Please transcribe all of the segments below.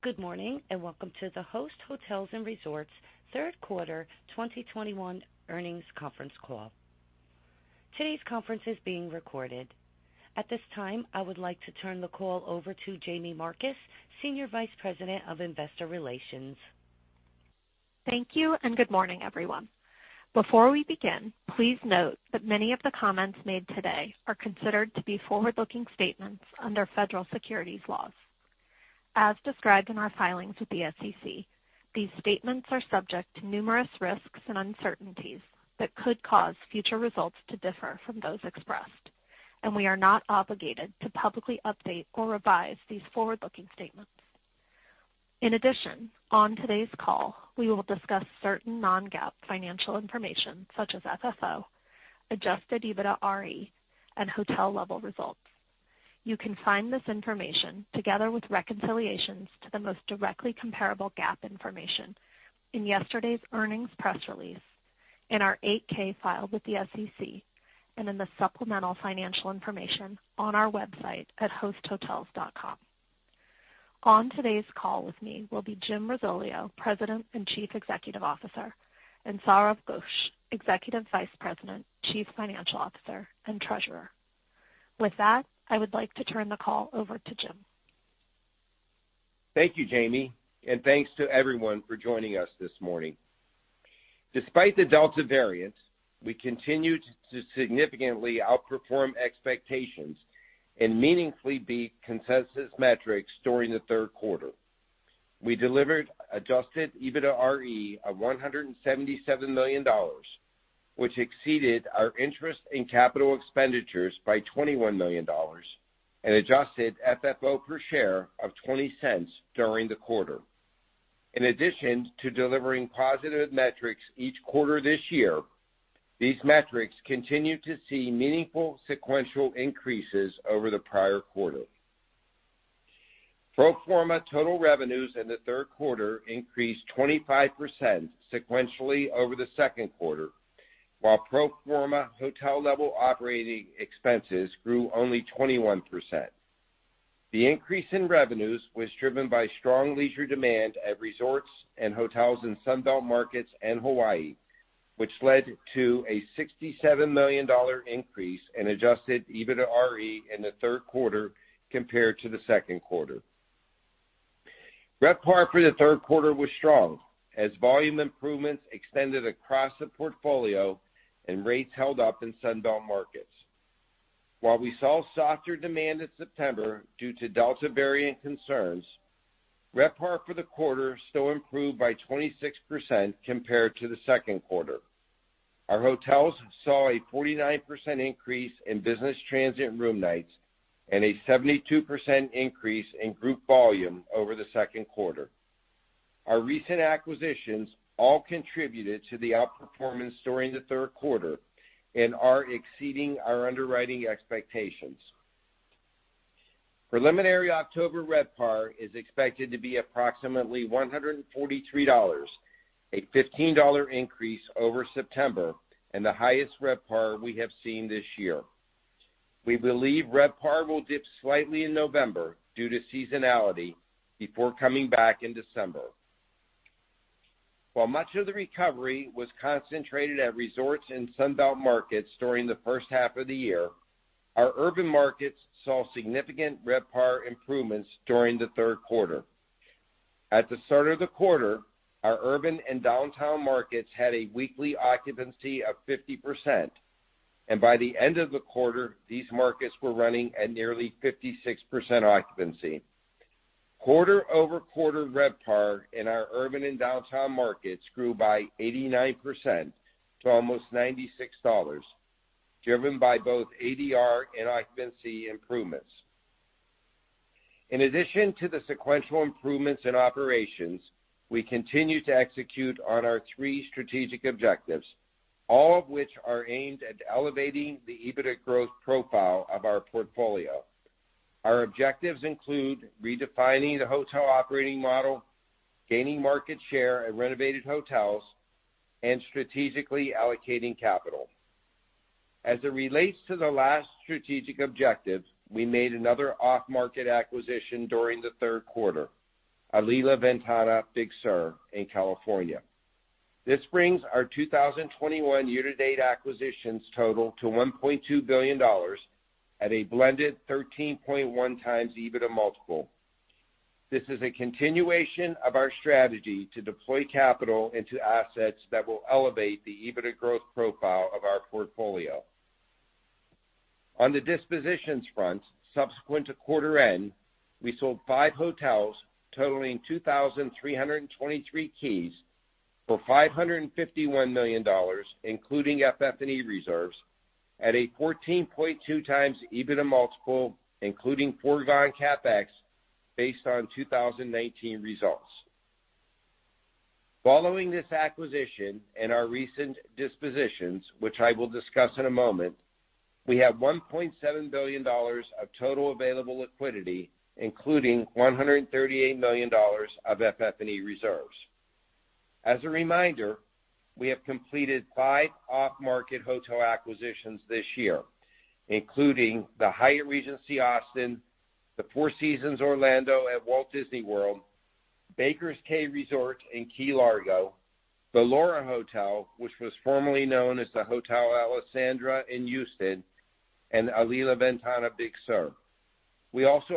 Good morning, and welcome to the Host Hotels & Resorts third quarter 2021 earnings conference call. Today's conference is being recorded. At this time, I would like to turn the call over to Jaime Marcus, Senior Vice President of Investor Relations. Thank you, and good morning, everyone. Before we begin, please note that many of the comments made today are considered to be forward-looking statements under federal securities laws. As described in our filings with the SEC, these statements are subject to numerous risks and uncertainties that could cause future results to differ from those expressed, and we are not obligated to publicly update or revise these forward-looking statements. In addition, on today's call, we will discuss certain non-GAAP financial information such as FFO, adjusted EBITDAre, and hotel level results. You can find this information together with reconciliations to the most directly comparable GAAP information in yesterday's earnings press release, in our 8-K filed with the SEC, and in the supplemental financial information on our website at hosthotels.com. On today's call with me will be Jim Risoleo, President and Chief Executive Officer, and Sourav Ghosh, Executive Vice President, Chief Financial Officer, and Treasurer. With that, I would like to turn the call over to Jim. Thank you, Jaime, and thanks to everyone for joining us this morning. Despite the Delta variant, we continued to significantly outperform expectations and meaningfully beat consensus metrics during the third quarter. We delivered adjusted EBITDAre of $177 million, which exceeded our interest in capital expenditures by $21 million and adjusted FFO per share of $0.20 during the quarter. In addition to delivering positive metrics each quarter this year, these metrics continue to see meaningful sequential increases over the prior quarter. Pro forma total revenues in the third quarter increased 25% sequentially over the second quarter, while pro forma hotel level operating expenses grew only 21%. The increase in revenues was driven by strong leisure demand at resorts and hotels in Sun Belt markets and Hawaii, which led to a $67 million increase in adjusted EBITDAre in the third quarter compared to the second quarter. RevPAR for the third quarter was strong as volume improvements extended across the portfolio and rates held up in Sun Belt markets. While we saw softer demand in September due to Delta variant concerns, RevPAR for the quarter still improved by 26% compared to the second quarter. Our hotels saw a 49% increase in business transient room nights and a 72% increase in group volume over the second quarter. Our recent acquisitions all contributed to the outperformance during the third quarter and are exceeding our underwriting expectations. Preliminary October RevPAR is expected to be approximately $143, a $15 increase over September and the highest RevPAR we have seen this year. We believe RevPAR will dip slightly in November due to seasonality before coming back in December. While much of the recovery was concentrated at resorts in Sun Belt markets during the first half of the year, our urban markets saw significant RevPAR improvements during the third quarter. At the start of the quarter, our urban and downtown markets had a weekly occupancy of 50%, and by the end of the quarter, these markets were running at nearly 56% occupancy. Quarter-over-quarter RevPAR in our urban and downtown markets grew by 89% to almost $96, driven by both ADR and occupancy improvements. In addition to the sequential improvements in operations, we continue to execute on our three strategic objectives, all of which are aimed at elevating the EBITDA growth profile of our portfolio. Our objectives include redefining the hotel operating model, gaining market share at renovated hotels, and strategically allocating capital. As it relates to the last strategic objective, we made another off-market acquisition during the third quarter, Alila Ventana Big Sur in California. This brings our 2021 year-to-date acquisitions total to $1.2 billion at a blended 13.1x EBITDA multiple. This is a continuation of our strategy to deploy capital into assets that will elevate the EBITDA growth profile of our portfolio. On the dispositions front, subsequent to quarter end, we sold five hotels totaling 2,323 keys for $551 million, including FF&E reserves at a 14.2x EBITDA multiple, including foregone CapEx based on 2019 results. Following this acquisition and our recent dispositions, which I will discuss in a moment, we have $1.7 billion of total available liquidity, including $138 million of FF&E reserves. As a reminder, we have completed five off-market hotel acquisitions this year, including the Hyatt Regency Austin, the Four Seasons Orlando at Walt Disney World, Baker's Cay Resort in Key Largo, The Laura Hotel, which was formerly known as the Hotel Alessandra in Houston, and Alila Ventana Big Sur. We also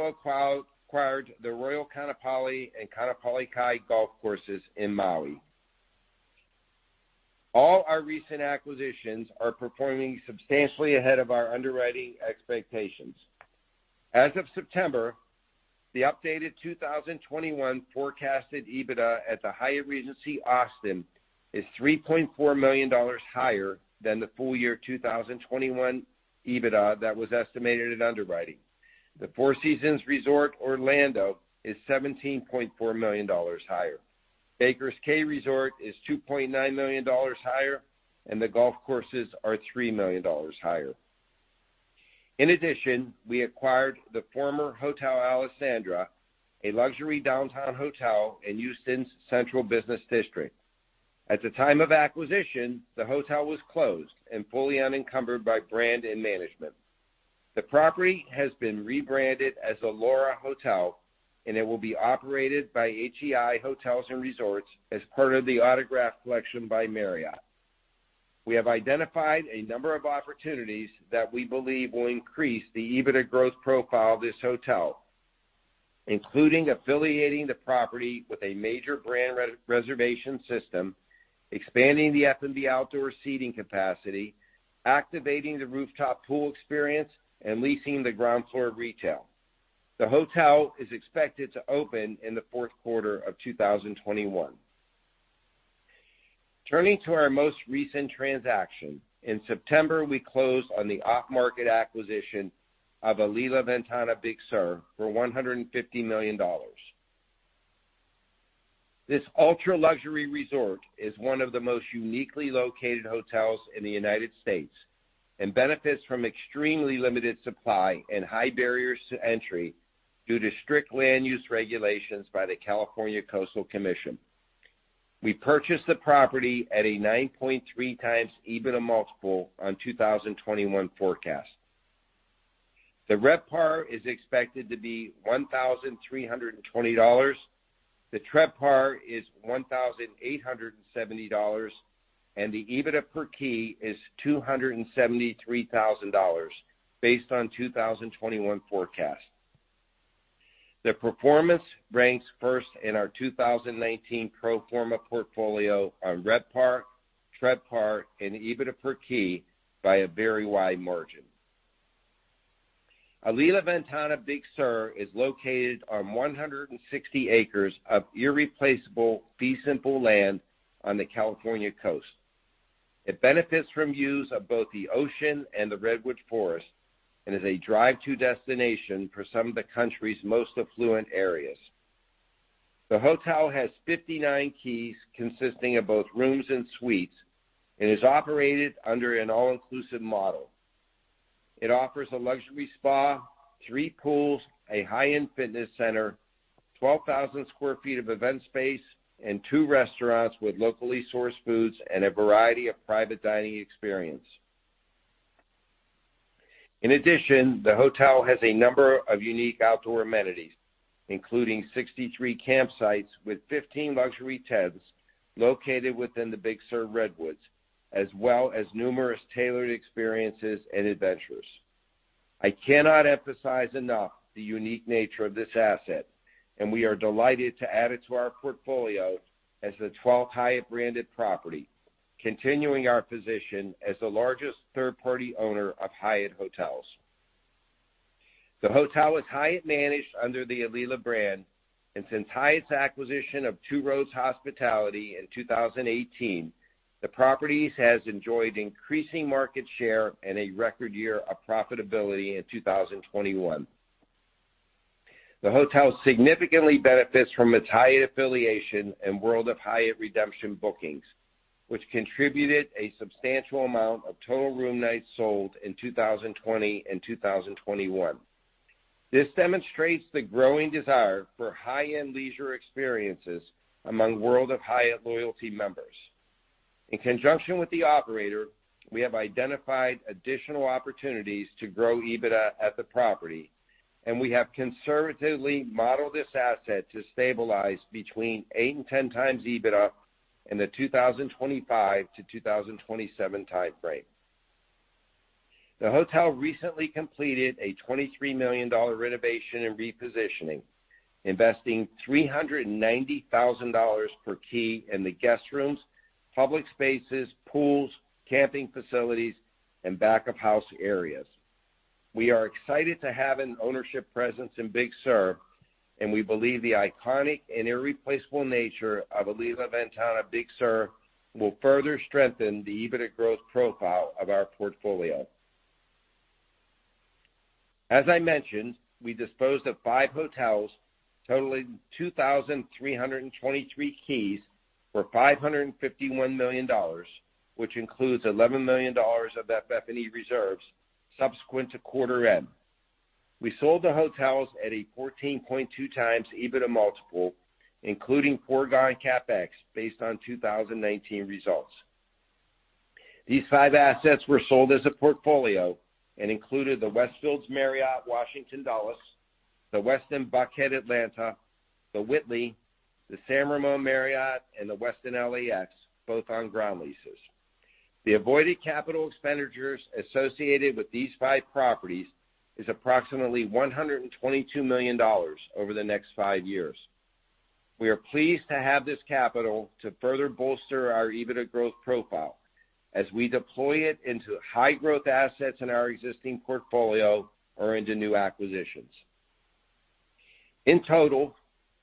acquired the Royal Ka'anapali and Ka'anapali Kai golf courses in Maui. All our recent acquisitions are performing substantially ahead of our underwriting expectations. As of September, the updated 2021 forecasted EBITDA at the Hyatt Regency Austin is $3.4 million higher than the full-year 2021 EBITDA that was estimated at underwriting. The Four Seasons Resort Orlando is $17.4 million higher. Baker's Cay Resort is $2.9 million higher, and the golf courses are $3 million higher. In addition, we acquired the former Hotel Alessandra, a luxury downtown hotel in Houston's central business district. At the time of acquisition, the hotel was closed and fully unencumbered by brand and management. The property has been rebranded as The Laura Hotel, and it will be operated by HEI Hotels & Resorts as part of the Autograph Collection by Marriott. We have identified a number of opportunities that we believe will increase the EBITDA growth profile of this hotel, including affiliating the property with a major brand re-reservation system, expanding the F&B outdoor seating capacity, activating the rooftop pool experience, and leasing the ground floor retail. The hotel is expected to open in the fourth quarter of 2021. Turning to our most recent transaction. In September, we closed on the off-market acquisition of Alila Ventana Big Sur for $150 million. This ultra-luxury resort is one of the most uniquely located hotels in the United States and benefits from extremely limited supply and high barriers to entry due to strict land use regulations by the California Coastal Commission. We purchased the property at a 9.3x EBITDA multiple on 2021 forecast. The RevPAR is expected to be $1,320, the TRevPAR is $1,870, and the EBITDA per key is $273,000 based on 2021 forecast. The performance ranks first in our 2019 pro forma portfolio on RevPAR, TRevPAR, and EBITDA per key by a very wide margin. Alila Ventana Big Sur is located on 160 acres of irreplaceable fee simple land on the California coast. It benefits from views of both the ocean and the redwood forest and is a drive-to destination for some of the country's most affluent areas. The hotel has 59 keys consisting of both rooms and suites and is operated under an all-inclusive model. It offers a luxury spa, three pools, a high-end fitness center, 12,000 sq ft of event space, and two restaurants with locally sourced foods and a variety of private dining experience. In addition, the hotel has a number of unique outdoor amenities, including 63 campsites with 15 luxury tents located within the Big Sur redwoods, as well as numerous tailored experiences and adventures. I cannot emphasize enough the unique nature of this asset, and we are delighted to add it to our portfolio as the twelfth Hyatt-branded property, continuing our position as the largest third-party owner of Hyatt hotels. The hotel is Hyatt-managed under the Alila brand, and since Hyatt's acquisition of Two Roads Hospitality in 2018, the properties has enjoyed increasing market share and a record year of profitability in 2021. The hotel significantly benefits from its Hyatt affiliation and World of Hyatt redemption bookings, which contributed a substantial amount of total room nights sold in 2020 and 2021. This demonstrates the growing desire for high-end leisure experiences among World of Hyatt loyalty members. In conjunction with the operator, we have identified additional opportunities to grow EBITDA at the property, and we have conservatively modeled this asset to stabilize between 8x and 10x EBITDA in the 2025-2027 time frame. The hotel recently completed a $23 million renovation and repositioning, investing $390,000 per key in the guest rooms, public spaces, pools, camping facilities, and back-of-house areas. We are excited to have an ownership presence in Big Sur, and we believe the iconic and irreplaceable nature of Alila Ventana Big Sur will further strengthen the EBITDA growth profile of our portfolio. As I mentioned, we disposed of five hotels totaling 2,323 keys for $551 million, which includes $11 million of FF&E reserves subsequent to quarter end. We sold the hotels at a 14.2x EBITDA multiple, including foregone CapEx based on 2019 results. These five assets were sold as a portfolio and included the Westfields Marriott Washington Dulles, the Westin Buckhead Atlanta, The Whitley, the San Ramon Marriott and the Westin Los Angeles Airport, both on ground leases. The avoided capital expenditures associated with these five properties is approximately $122 million over the next five years. We are pleased to have this capital to further bolster our EBITDA growth profile as we deploy it into high growth assets in our existing portfolio or into new acquisitions. In total,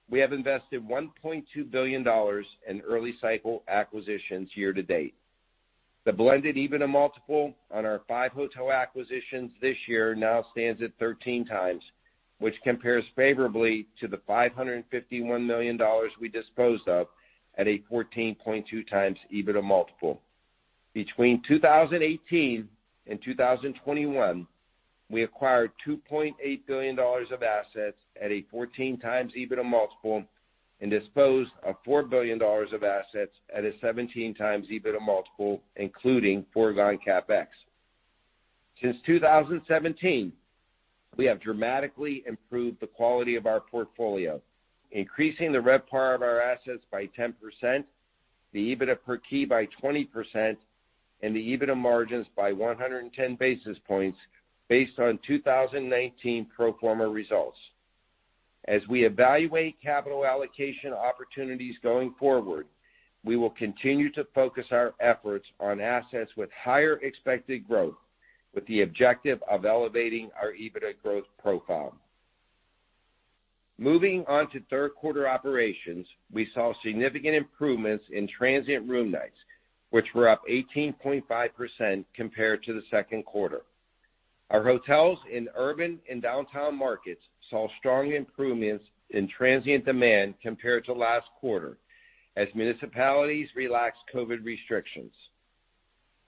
we have invested $1.2 billion in early cycle acquisitions year to date. The blended EBITDA multiple on our five hotel acquisitions this year now stands at 13x, which compares favorably to the $551 million we disposed of at a 14.2x EBITDA multiple. Between 2018 and 2021, we acquired $2.8 billion of assets at a 14x EBITDA multiple and disposed of $4 billion of assets at a 17x EBITDA multiple, including foregone CapEx. Since 2017, we have dramatically improved the quality of our portfolio, increasing the RevPAR of our assets by 10%, the EBITDA per key by 20%, and the EBITDA margins by 110 basis points based on 2019 pro forma results. As we evaluate capital allocation opportunities going forward, we will continue to focus our efforts on assets with higher expected growth, with the objective of elevating our EBITDA growth profile. Moving on to third quarter operations, we saw significant improvements in transient room nights, which were up 18.5% compared to the second quarter. Our hotels in urban and downtown markets saw strong improvements in transient demand compared to last quarter as municipalities relaxed COVID restrictions.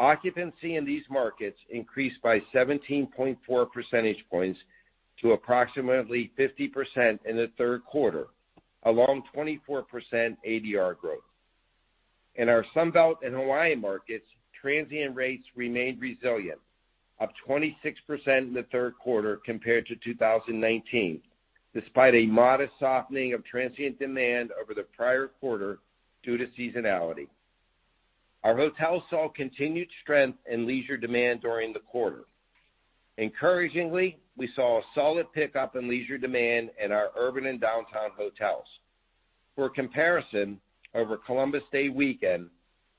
Occupancy in these markets increased by 17.4 percentage points to approximately 50% in the third quarter, along 24% ADR growth. In our Sunbelt and Hawaii markets, transient rates remained resilient, up 26% in the third quarter compared to 2019, despite a modest softening of transient demand over the prior quarter due to seasonality. Our hotels saw continued strength in leisure demand during the quarter. Encouragingly, we saw a solid pickup in leisure demand in our urban and downtown hotels. For comparison, over Columbus Day weekend,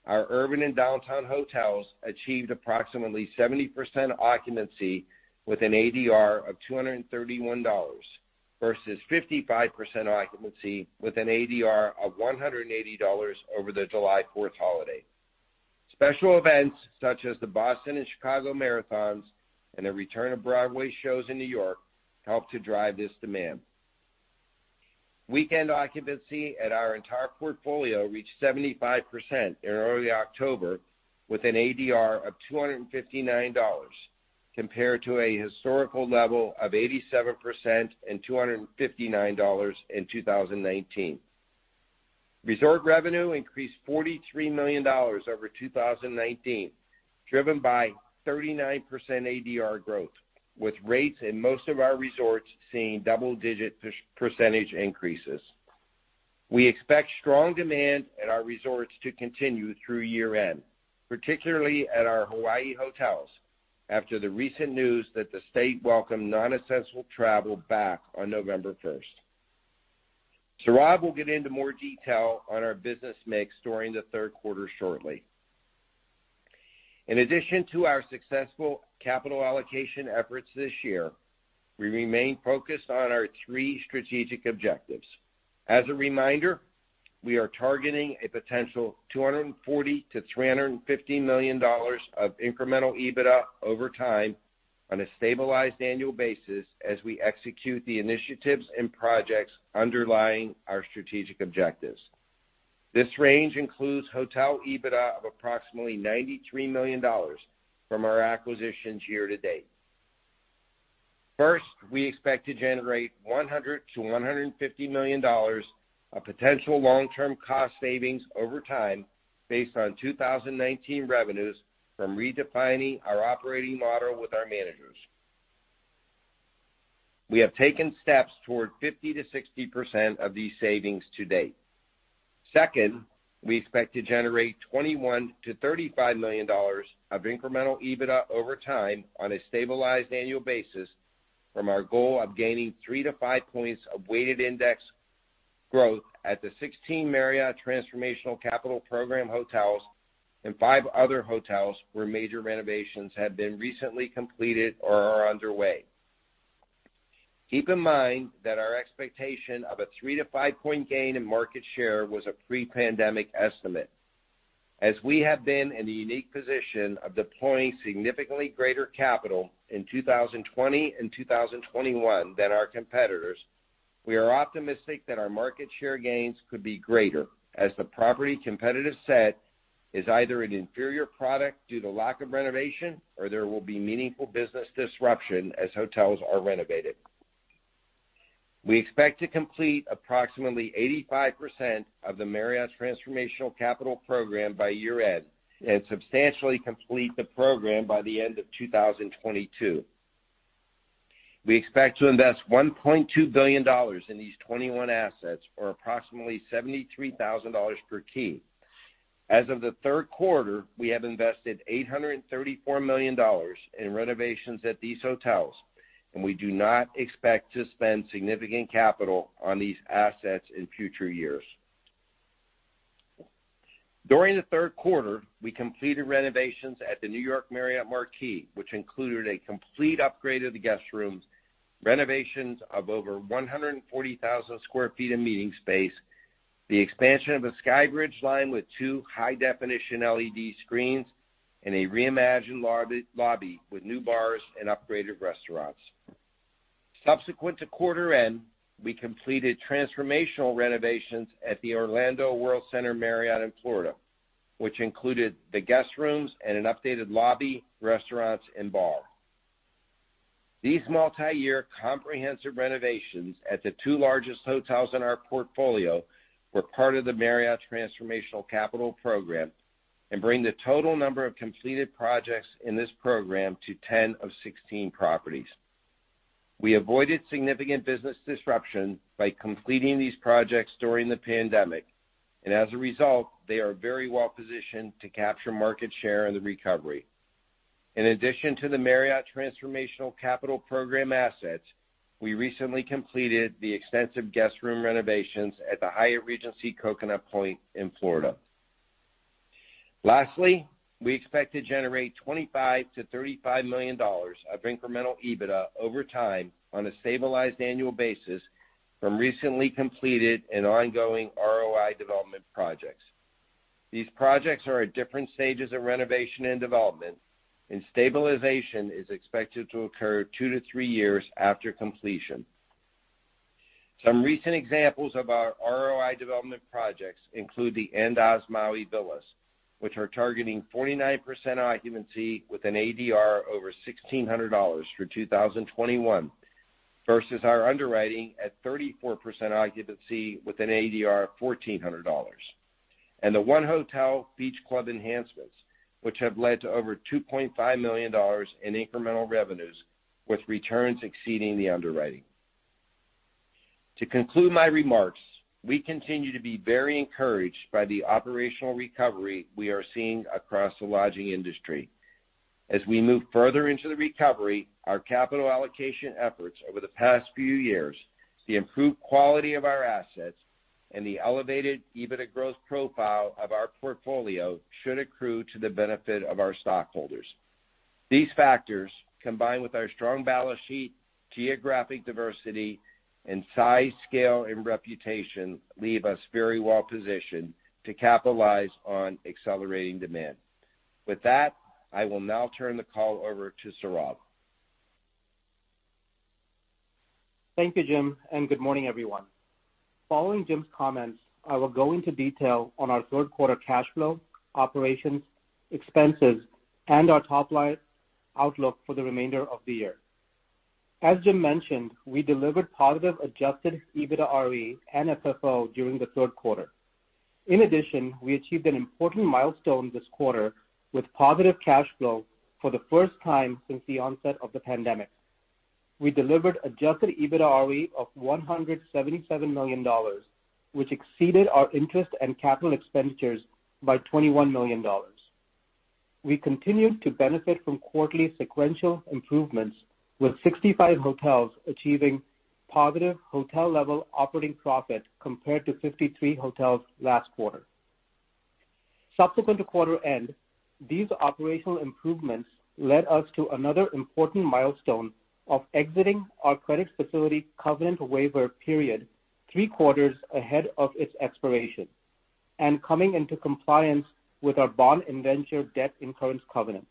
our urban and downtown hotels achieved approximately 70% occupancy with an ADR of $231 versus 55% occupancy with an ADR of $180 over the July Fourth holiday. Special events such as the Boston and Chicago Marathons and the return of Broadway shows in New York helped to drive this demand. Weekend occupancy at our entire portfolio reached 75% in early October with an ADR of $259 compared to a historical level of 87% and $259 in 2019. Resort revenue increased $43 million over 2019, driven by 39% ADR growth, with rates in most of our resorts seeing double-digit percentage increases. We expect strong demand at our resorts to continue through year-end, particularly at our Hawaii hotels, after the recent news that the state welcomed non-essential travel back on November 1. Saurabh will get into more detail on our business mix during the third quarter shortly. In addition to our successful capital allocation efforts this year, we remain focused on our three strategic objectives. As a reminder, we are targeting a potential $240 million-$350 million of incremental EBITDA over time on a stabilized annual basis as we execute the initiatives and projects underlying our strategic objectives. This range includes hotel EBITDA of approximately $93 million from our acquisitions year to date. First, we expect to generate $100 million-$150 million of potential long-term cost savings over time based on 2019 revenues from redefining our operating model with our managers. We have taken steps toward 50%-60% of these savings to date. Second, we expect to generate $21 million-$35 million of incremental EBITDA over time on a stabilized annual basis from our goal of gaining 3-5 points of weighted index growth at the 16 Marriott Transformational Capital Program hotels and 5 other hotels where major renovations have been recently completed or are underway. Keep in mind that our expectation of a 3-5 point gain in market share was a pre-pandemic estimate. As we have been in the unique position of deploying significantly greater capital in 2020 and 2021 than our competitors. We are optimistic that our market share gains could be greater, as the property competitive set is either an inferior product due to lack of renovation, or there will be meaningful business disruption as hotels are renovated. We expect to complete approximately 85% of the Marriott Transformational Capital Program by year-end, and substantially complete the program by the end of 2022. We expect to invest $1.2 billion in these 21 assets, or approximately $73,000 per key. As of the third quarter, we have invested $834 million in renovations at these hotels, and we do not expect to spend significant capital on these assets in future years. During the third quarter, we completed renovations at the New York Marriott Marquis, which included a complete upgrade of the guest rooms, renovations of over 140,000 sq ft of meeting space, the expansion of a sky bridge line with 2 high definition LED screens, and a reimagined large lobby with new bars and upgraded restaurants. Subsequent to quarter end, we completed transformational renovations at the Orlando World Center Marriott in Florida, which included the guest rooms and an updated lobby, restaurants, and bar. These multiyear comprehensive renovations at the two largest hotels in our portfolio were part of the Marriott Transformational Capital Program and bring the total number of completed projects in this program to 10 of 16 properties. We avoided significant business disruption by completing these projects during the pandemic. As a result, they are very well positioned to capture market share in the recovery. In addition to the Marriott Transformational Capital Program assets, we recently completed the extensive guest room renovations at the Hyatt Regency Coconut Point in Florida. Lastly, we expect to generate $25 million-$35 million of incremental EBITDA over time on a stabilized annual basis from recently completed and ongoing ROI development projects. These projects are at different stages of renovation and development, and stabilization is expected to occur 2-3 years after completion. Some recent examples of our ROI development projects include the Andaz Maui Villas, which are targeting 49% occupancy with an ADR over $1,600 for 2021 versus our underwriting at 34% occupancy with an ADR of $1,400. The 1 Hotel beach club enhancements, which have led to over $2.5 million in incremental revenues with returns exceeding the underwriting. To conclude my remarks, we continue to be very encouraged by the operational recovery we are seeing across the lodging industry. As we move further into the recovery, our capital allocation efforts over the past few years, the improved quality of our assets, and the elevated EBITDA growth profile of our portfolio should accrue to the benefit of our stockholders. These factors, combined with our strong balance sheet, geographic diversity, and size, scale, and reputation, leave us very well positioned to capitalize on accelerating demand. With that, I will now turn the call over to Sourav. Thank you, Jim, and good morning, everyone. Following Jim's comments, I will go into detail on our third quarter cash flow, operations, expenses, and our top-line outlook for the remainder of the year. As Jim mentioned, we delivered positive adjusted EBITDAre and FFO during the third quarter. In addition, we achieved an important milestone this quarter with positive cash flow for the first time since the onset of the pandemic. We delivered adjusted EBITDAre of $177 million, which exceeded our interest and capital expenditures by $21 million. We continued to benefit from quarterly sequential improvements with 65 hotels achieving positive hotel-level operating profit compared to 53 hotels last quarter. Subsequent to quarter end, these operational improvements led us to another important milestone of exiting our credit facility covenant waiver period 3 quarters ahead of its expiration and coming into compliance with our bond indenture debt incurrence covenant.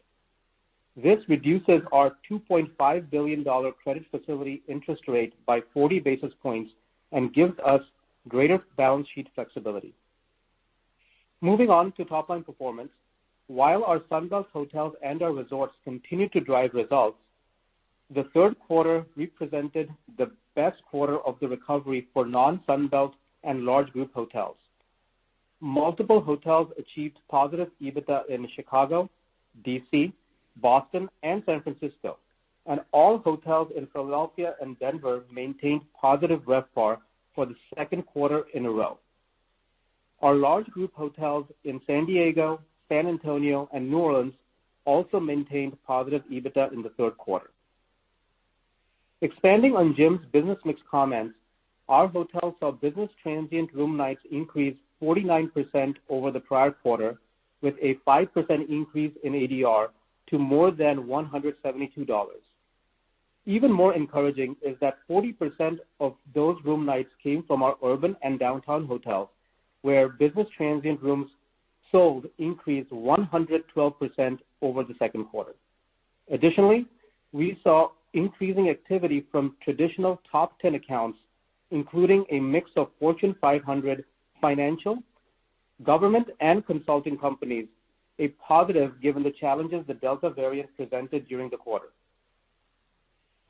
This reduces our $2.5 billion credit facility interest rate by 40 basis points and gives us greater balance sheet flexibility. Moving on to top-line performance. While our Sunbelt hotels and our resorts continue to drive results, the third quarter represented the best quarter of the recovery for non-Sunbelt and large group hotels. Multiple hotels achieved positive EBITDA in Chicago, D.C., Boston, and San Francisco, and all hotels in Philadelphia and Denver maintained positive RevPAR for the second quarter in a row. Our large group hotels in San Diego, San Antonio, and New Orleans also maintained positive EBITDA in the third quarter. Expanding on Jim's business mix comments, our hotels saw business transient room nights increase 49% over the prior quarter with a 5% increase in ADR to more than $172. Even more encouraging is that 40% of those room nights came from our urban and downtown hotels, where business transient rooms sold increased 112% over the second quarter. Additionally, we saw increasing activity from traditional top ten accounts, including a mix of Fortune 500 financial, government, and consulting companies, a positive given the challenges the Delta variant presented during the quarter.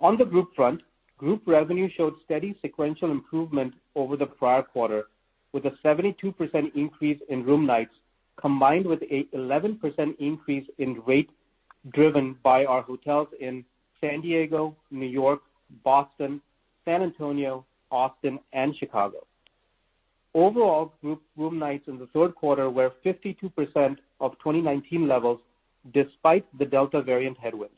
On the group front, group revenue showed steady sequential improvement over the prior quarter, with a 72% increase in room nights, combined with an 11% increase in rate driven by our hotels in San Diego, New York, Boston, San Antonio, Austin, and Chicago. Overall, group room nights in the third quarter were 52% of 2019 levels despite the Delta variant headwinds.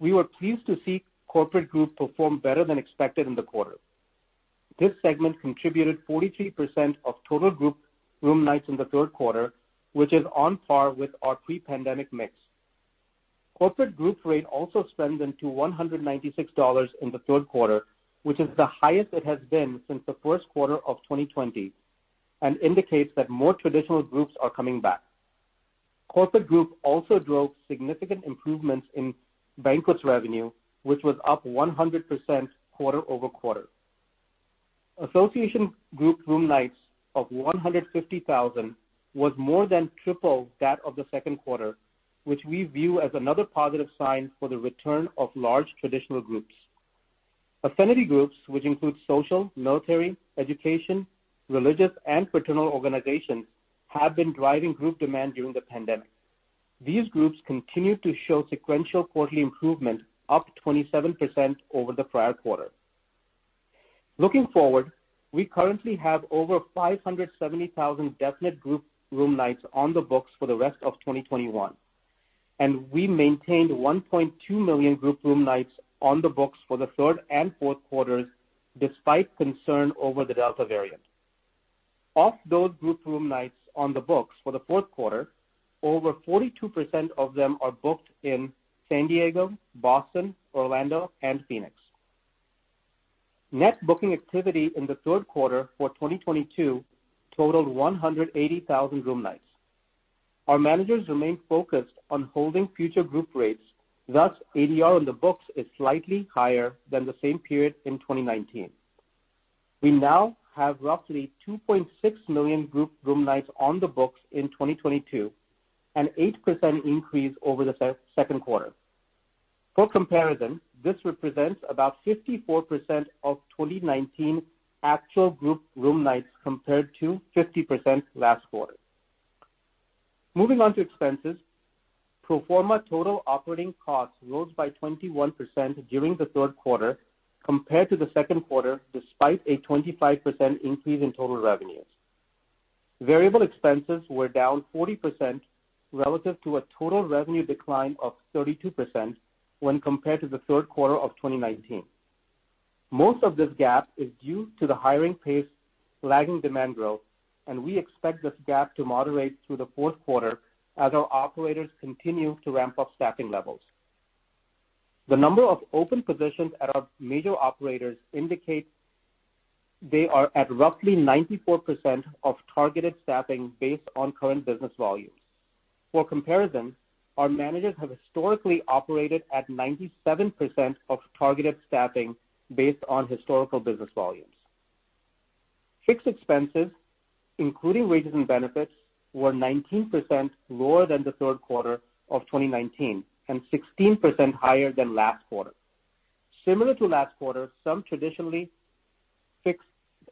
We were pleased to see corporate group perform better than expected in the quarter. This segment contributed 43% of total group room nights in the third quarter, which is on par with our pre-pandemic mix. Corporate group ADR also came in at $196 in the third quarter, which is the highest it has been since the first quarter of 2020, and indicates that more traditional groups are coming back. Corporate group also drove significant improvements in banquets revenue, which was up 100% quarter-over-quarter. Association group room nights of 150,000 was more than triple that of the second quarter, which we view as another positive sign for the return of large traditional groups. Affinity groups, which include social, military, education, religious, and fraternal organizations, have been driving group demand during the pandemic. These groups continue to show sequential quarterly improvement, up 27% over the prior quarter. Looking forward, we currently have over 570,000 definite group room nights on the books for the rest of 2021, and we maintained 1.2 million group room nights on the books for the third and fourth quarters despite concern over the Delta variant. Of those group room nights on the books for the fourth quarter, over 42% of them are booked in San Diego, Boston, Orlando, and Phoenix. Net booking activity in the third quarter for 2022 totaled 180,000 room nights. Our managers remain focused on holding future group rates, thus ADR on the books is slightly higher than the same period in 2019. We now have roughly 2.6 million group room nights on the books in 2022, an 8% increase over the second quarter. For comparison, this represents about 54% of 2019 actual group room nights compared to 50% last quarter. Moving on to expenses. Pro forma total operating costs rose by 21% during the third quarter compared to the second quarter, despite a 25% increase in total revenues. Variable expenses were down 40% relative to a total revenue decline of 32% when compared to the third quarter of 2019. Most of this gap is due to the hiring pace lagging demand growth, and we expect this gap to moderate through the fourth quarter as our operators continue to ramp up staffing levels. The number of open positions at our major operators indicate they are at roughly 94% of targeted staffing based on current business volumes. For comparison, our managers have historically operated at 97% of targeted staffing based on historical business volumes. Fixed expenses, including wages and benefits, were 19% lower than the third quarter of 2019 and 16% higher than last quarter. Similar to last quarter, some traditionally fixed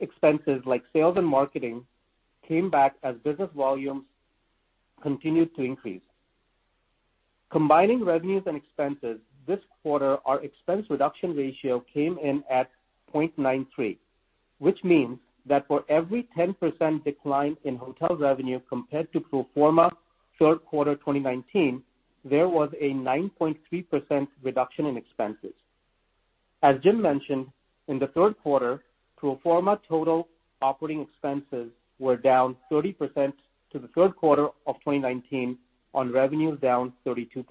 expenses like sales and marketing came back as business volumes continued to increase. Combining revenues and expenses, this quarter our expense reduction ratio came in at 0.93, which means that for every 10% decline in hotel revenue compared to pro forma third quarter 2019, there was a 9.3% reduction in expenses. As Jim mentioned, in the third quarter, pro forma total operating expenses were down 30% from the third quarter of 2019 on revenues down 32%.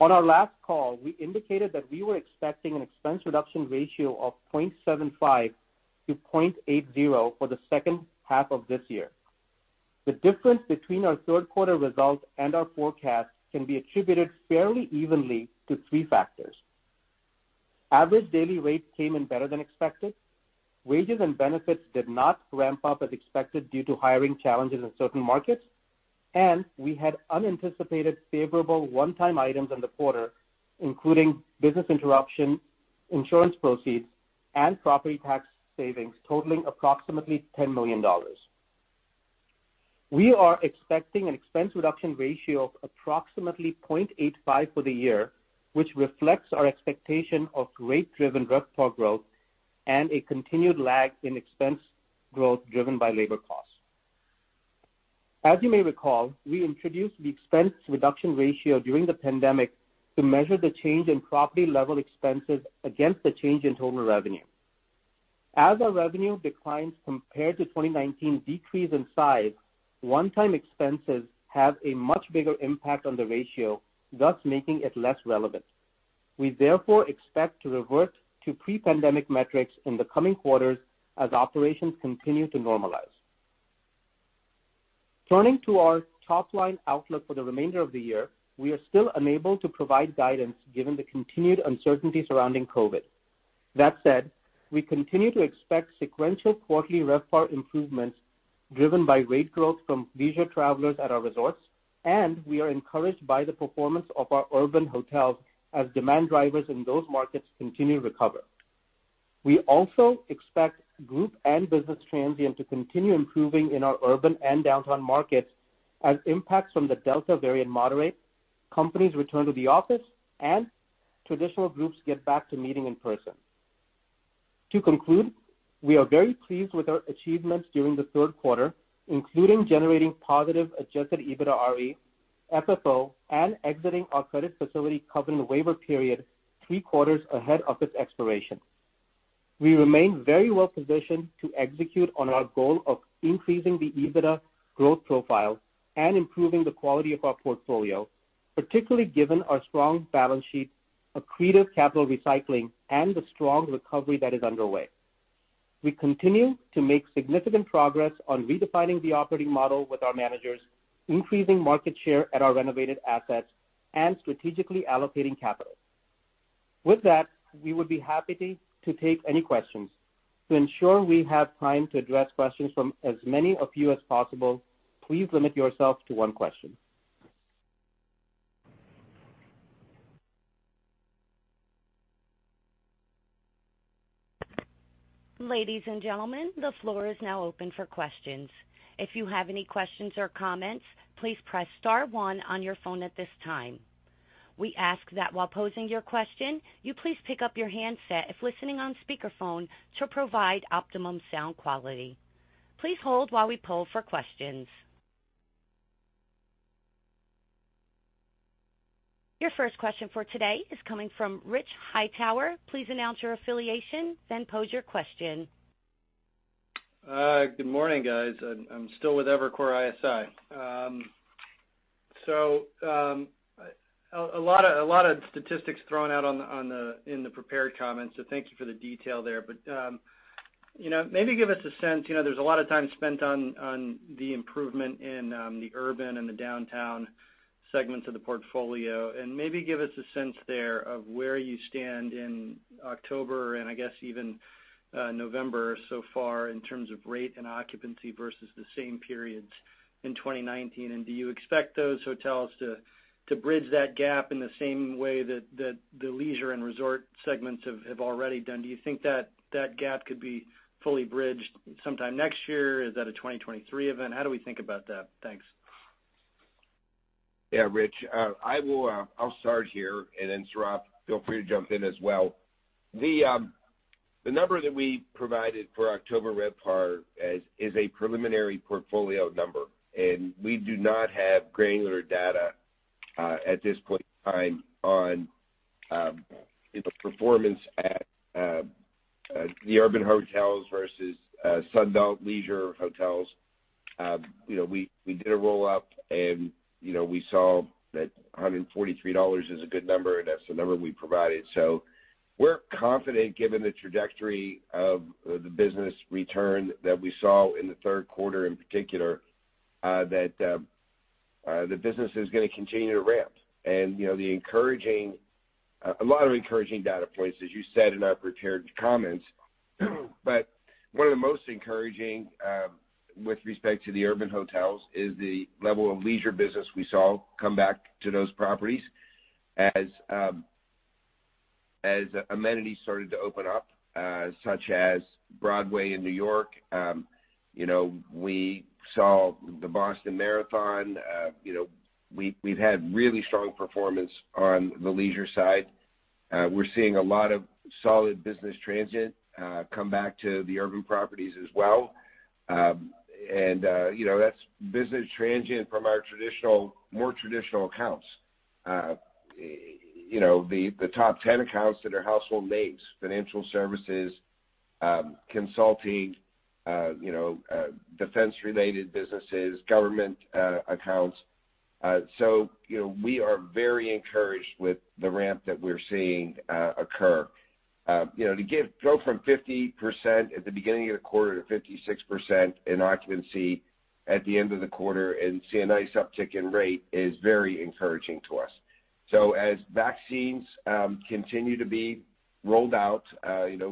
On our last call, we indicated that we were expecting an expense reduction ratio of 0.75-0.80 for the second half of this year. The difference between our third quarter results and our forecast can be attributed fairly evenly to three factors. Average daily rate came in better than expected. Wages and benefits did not ramp up as expected due to hiring challenges in certain markets, and we had unanticipated favorable one-time items in the quarter, including business interruption, insurance proceeds, and property tax savings totaling approximately $10 million. We are expecting an expense reduction ratio of approximately 0.85 for the year, which reflects our expectation of rate-driven RevPAR growth and a continued lag in expense growth driven by labor costs. As you may recall, we introduced the expense reduction ratio during the pandemic to measure the change in property-level expenses against the change in total revenue. As our revenue declines compared to 2019 decrease in size, one-time expenses have a much bigger impact on the ratio, thus making it less relevant. We therefore expect to revert to pre-pandemic metrics in the coming quarters as operations continue to normalize. Turning to our top-line outlook for the remainder of the year, we are still unable to provide guidance given the continued uncertainty surrounding COVID. That said, we continue to expect sequential quarterly RevPAR improvements driven by rate growth from leisure travelers at our resorts, and we are encouraged by the performance of our urban hotels as demand drivers in those markets continue to recover. We also expect group and business transient to continue improving in our urban and downtown markets as impacts from the Delta variant moderate, companies return to the office, and traditional groups get back to meeting in person. To conclude, we are very pleased with our achievements during the third quarter, including generating positive adjusted EBITDAre, FFO, and exiting our credit facility covenant waiver period three quarters ahead of its expiration. We remain very well positioned to execute on our goal of increasing the EBITDA growth profile and improving the quality of our portfolio, particularly given our strong balance sheet, accretive capital recycling, and the strong recovery that is underway. We continue to make significant progress on redefining the operating model with our managers, increasing market share at our renovated assets, and strategically allocating capital. With that, we would be happy to take any questions. To ensure we have time to address questions from as many of you as possible, please limit yourself to one question. Ladies and gentlemen, the floor is now open for questions. If you have any questions or comments, please press star one on your phone at this time. We ask that while posing your question, you please pick up your handset if listening on speakerphone to provide optimum sound quality. Please hold while we poll for questions. Your first question for today is coming from Rich Hightower. Please announce your affiliation, then pose your question. Good morning, guys. I'm still with Evercore ISI. A lot of statistics thrown out in the prepared comments, so thank you for the detail there. You know, maybe give us a sense, you know, there's a lot of time spent on the improvement in the urban and the downtown segments of the portfolio. Maybe give us a sense there of where you stand in October, and I guess even November so far in terms of rate and occupancy versus the same periods in 2019. Do you expect those hotels to bridge that gap in the same way that the leisure and resort segments have already done? Do you think that gap could be fully bridged sometime next year? Is that a 2023 event? How do we think about that? Thanks. Yeah, Rich. I will, I'll start here, and then, Sourav, feel free to jump in as well. The number that we provided for October RevPAR is a preliminary portfolio number, and we do not have granular data at this point in time on, you know, performance at the urban hotels versus Sunbelt leisure hotels. You know, we did a roll-up, and, you know, we saw that $143 is a good number, and that's the number we provided. We're confident given the trajectory of the business return that we saw in the third quarter in particular that the business is gonna continue to ramp. You know, a lot of encouraging data points, as you said in our prepared comments. One of the most encouraging with respect to the urban hotels is the level of leisure business we saw come back to those properties as amenities started to open up, such as Broadway in New York. You know, we saw the Boston Marathon. You know, we've had really strong performance on the leisure side. We're seeing a lot of solid business transient come back to the urban properties as well. You know, that's business transient from our more traditional accounts. You know, the top 10 accounts that are household names, financial services, consulting, you know, defense-related businesses, government accounts. You know, we are very encouraged with the ramp that we're seeing occur. You know, to go from 50% at the beginning of the quarter to 56% in occupancy at the end of the quarter and see a nice uptick in rate is very encouraging to us. As vaccines continue to be rolled out,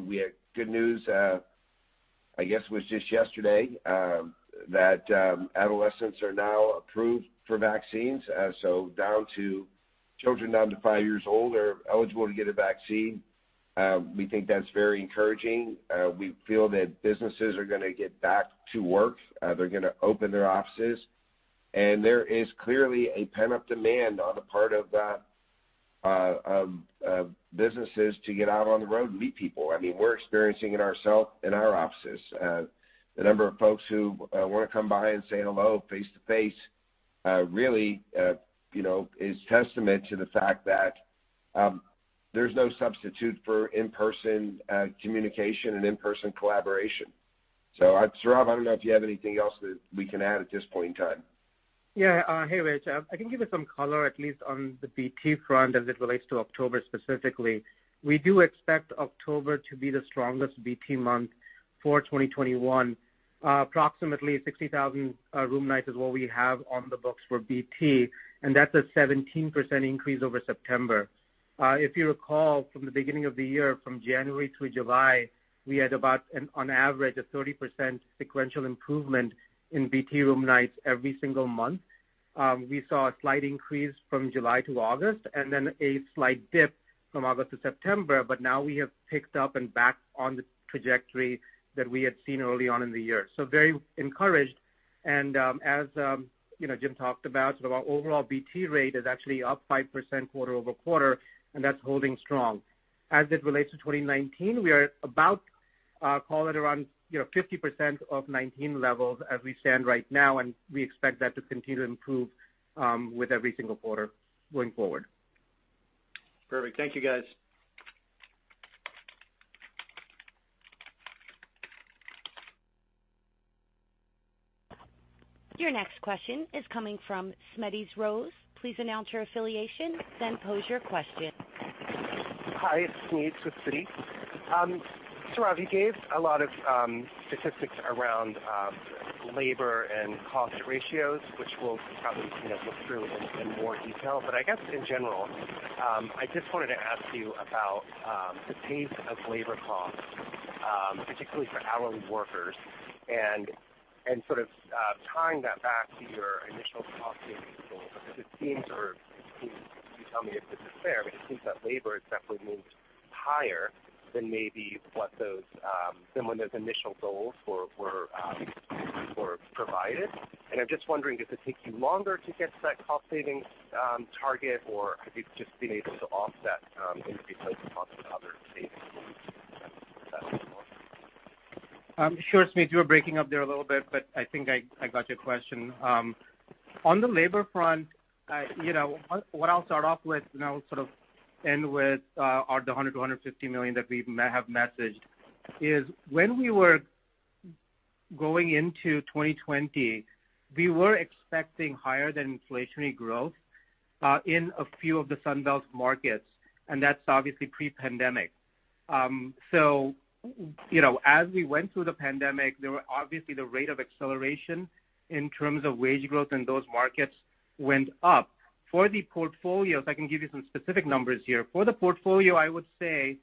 we had good news, I guess it was just yesterday, that adolescents are now approved for vaccines. Children down to five years old are eligible to get a vaccine. We think that's very encouraging. We feel that businesses are gonna get back to work. They're gonna open their offices. There is clearly a pent-up demand on the part of businesses to get out on the road and meet people. I mean, we're experiencing it ourself in our offices. The number of folks who wanna come by and say hello face to face, really, you know, is testament to the fact that there's no substitute for in-person communication and in-person collaboration. Sourav, I don't know if you have anything else that we can add at this point in time. Yeah. Hey, Rich. I can give you some color, at least on the BT front as it relates to October specifically. We do expect October to be the strongest BT month for 2021. Approximately 60,000 room nights is what we have on the books for BT, and that's a 17% increase over September. If you recall, from the beginning of the year, from January to July, we had about, on average, a 30% sequential improvement in BT room nights every single month. We saw a slight increase from July to August and then a slight dip from August to September, but now we have picked up and back on the trajectory that we had seen early on in the year. Very encouraged. As you know, Jim talked about, sort of our overall BT rate is actually up 5% quarter-over-quarter, and that's holding strong. As it relates to 2019, we are about, call it around, you know, 50% of 2019 levels as we stand right now, and we expect that to continue to improve, with every single quarter going forward. Perfect. Thank you, guys. Your next question is coming from Smedes Rose. Please announce your affiliation, then pose your question. Hi, it's Smedes Rose with Citi. Sourav, you gave a lot of statistics around labor and cost ratios, which we'll probably, you know, look through in more detail. I guess in general, I just wanted to ask you about the pace of labor costs, particularly for hourly workers and sort of tying that back to your initial cost savings goals. Because it seems you tell me if this is fair, but it seems that labor has definitely moved higher than maybe what those than when those initial goals were provided. I'm just wondering if it takes you longer to get to that cost savings target, or have you just been able to offset increased labor costs with other savings. Sure, Smedes. You were breaking up there a little bit, but I think I got your question. On the labor front, you know, what I'll start off with, and I'll sort of end with, are the $100 million-$150 million that we have messaged, is when we were going into 2020, we were expecting higher than inflationary growth in a few of the Sunbelt markets, and that's obviously pre-pandemic. You know, as we went through the pandemic, there were obviously the rate of acceleration in terms of wage growth in those markets went up. For the portfolio, if I can give you some specific numbers here. For the portfolio, I would say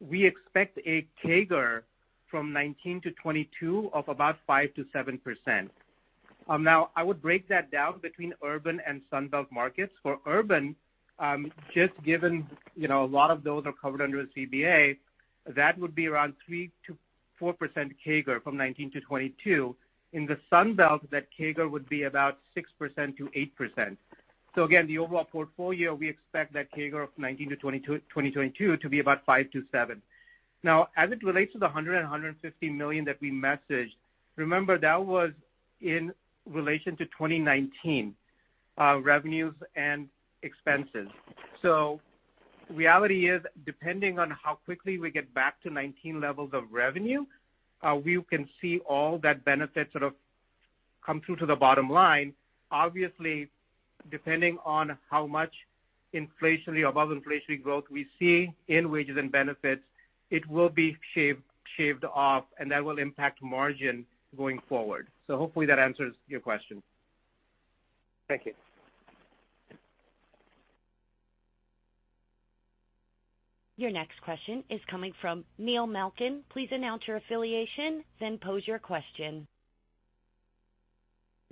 we expect a CAGR from 2019-2022 of about 5%-7%. Now I would break that down between urban and Sunbelt markets. For urban, just given, you know, a lot of those are covered under a CBA, that would be around 3%-4% CAGR from 2019 to 2022. In the Sunbelt, that CAGR would be about 6%-8%. Again, the overall portfolio, we expect that CAGR from 2019 to 2022 to be about 5%-7%. Now, as it relates to the $150 million that we messaged, remember that was in relation to 2019 revenues and expenses. Reality is, depending on how quickly we get back to 2019 levels of revenue, we can see all that benefit sort of come through to the bottom line. Obviously, depending on how much inflationary, above inflationary growth we see in wages and benefits, it will be shaved off, and that will impact margin going forward. Hopefully that answers your question. Thank you. Your next question is coming from Neil Malkin. Please announce your affiliation, then pose your question.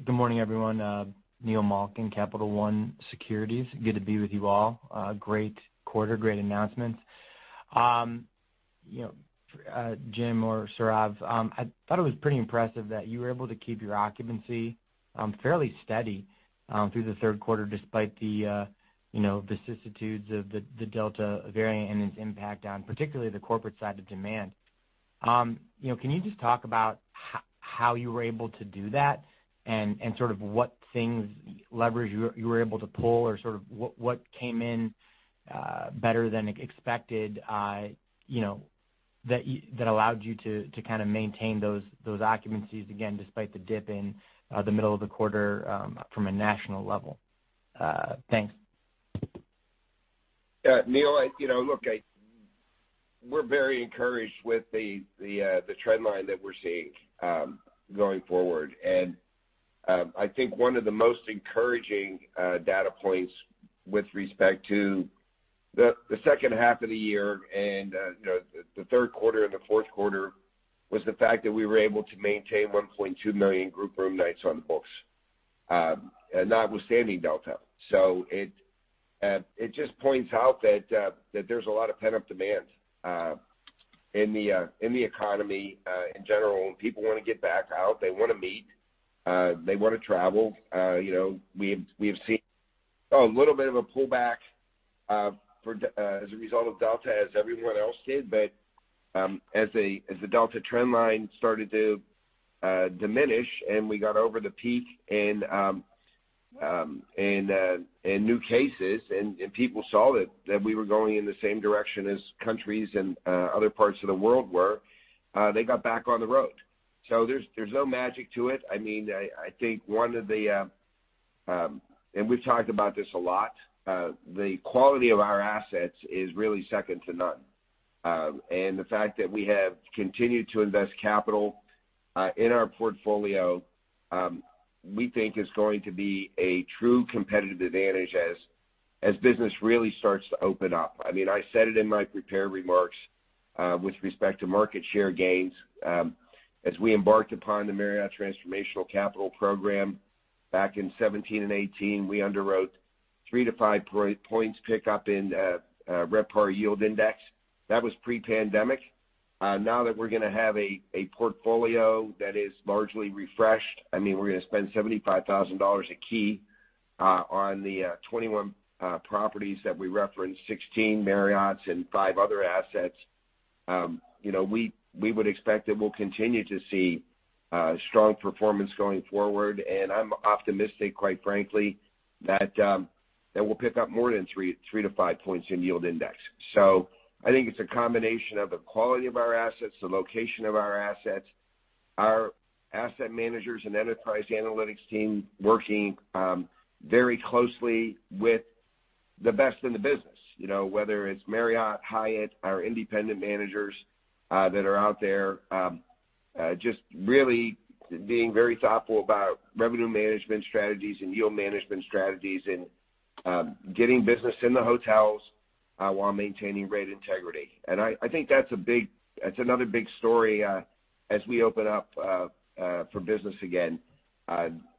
Good morning, everyone. Neil Malkin, Capital One Securities. Good to be with you all. Great quarter, great announcements. You know, Jim or Sourav, I thought it was pretty impressive that you were able to keep your occupancy fairly steady through the third quarter, despite the vicissitudes of the Delta variant and its impact on particularly the corporate side of demand. You know, can you just talk about how you were able to do that and sort of what things leverage you were able to pull or sort of what came in better than expected, you know, that allowed you to kind of maintain those occupancies again, despite the dip in the middle of the quarter from a national level? Thanks. Neil, you know, look, we're very encouraged with the trend line that we're seeing, going forward. I think one of the most encouraging data points with respect to the second half of the year and the third quarter and the fourth quarter was the fact that we were able to maintain 1.2 million group room nights on the books, notwithstanding Delta. It just points out that there's a lot of pent-up demand in the economy in general. People wanna get back out. They wanna meet. They wanna travel. You know, we've seen a little bit of a pullback for Delta as a result of Delta as everyone else did. As the Delta trend line started to diminish and we got over the peak and new cases and people saw that we were going in the same direction as countries and other parts of the world were, they got back on the road. There's no magic to it. I mean, I think we've talked about this a lot, the quality of our assets is really second to none. The fact that we have continued to invest capital in our portfolio, we think is going to be a true competitive advantage as business really starts to open up. I mean, I said it in my prepared remarks, with respect to market share gains, as we embarked upon the Marriott Transformational Capital Program back in 2017 and 2018, we underwrote 3-5 points pickup in RevPAR yield index. That was pre-pandemic. Now that we're gonna have a portfolio that is largely refreshed, I mean, we're gonna spend $75,000 a key on the 21 properties that we referenced, 16 Marriotts and 5 other assets. You know, we would expect that we'll continue to see strong performance going forward, and I'm optimistic, quite frankly, that we'll pick up more than 3-5 points in yield index. I think it's a combination of the quality of our assets, the location of our assets, our asset managers and enterprise analytics team working very closely with the best in the business. You know, whether it's Marriott, Hyatt, our independent managers that are out there just really being very thoughtful about revenue management strategies and yield management strategies and getting business in the hotels while maintaining great integrity. I think that's another big story as we open up for business again.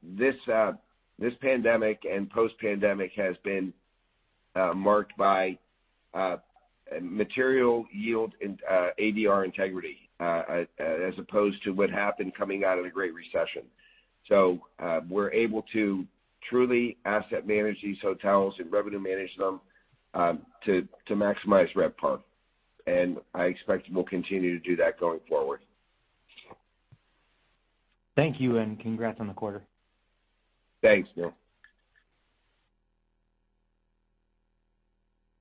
This pandemic and post-pandemic has been marked by material yield and ADR integrity as opposed to what happened coming out of the Great Recession. We're able to truly asset manage these hotels and revenue manage them to maximize RevPAR, and I expect we'll continue to do that going forward. Thank you, and congrats on the quarter. Thanks, Neil.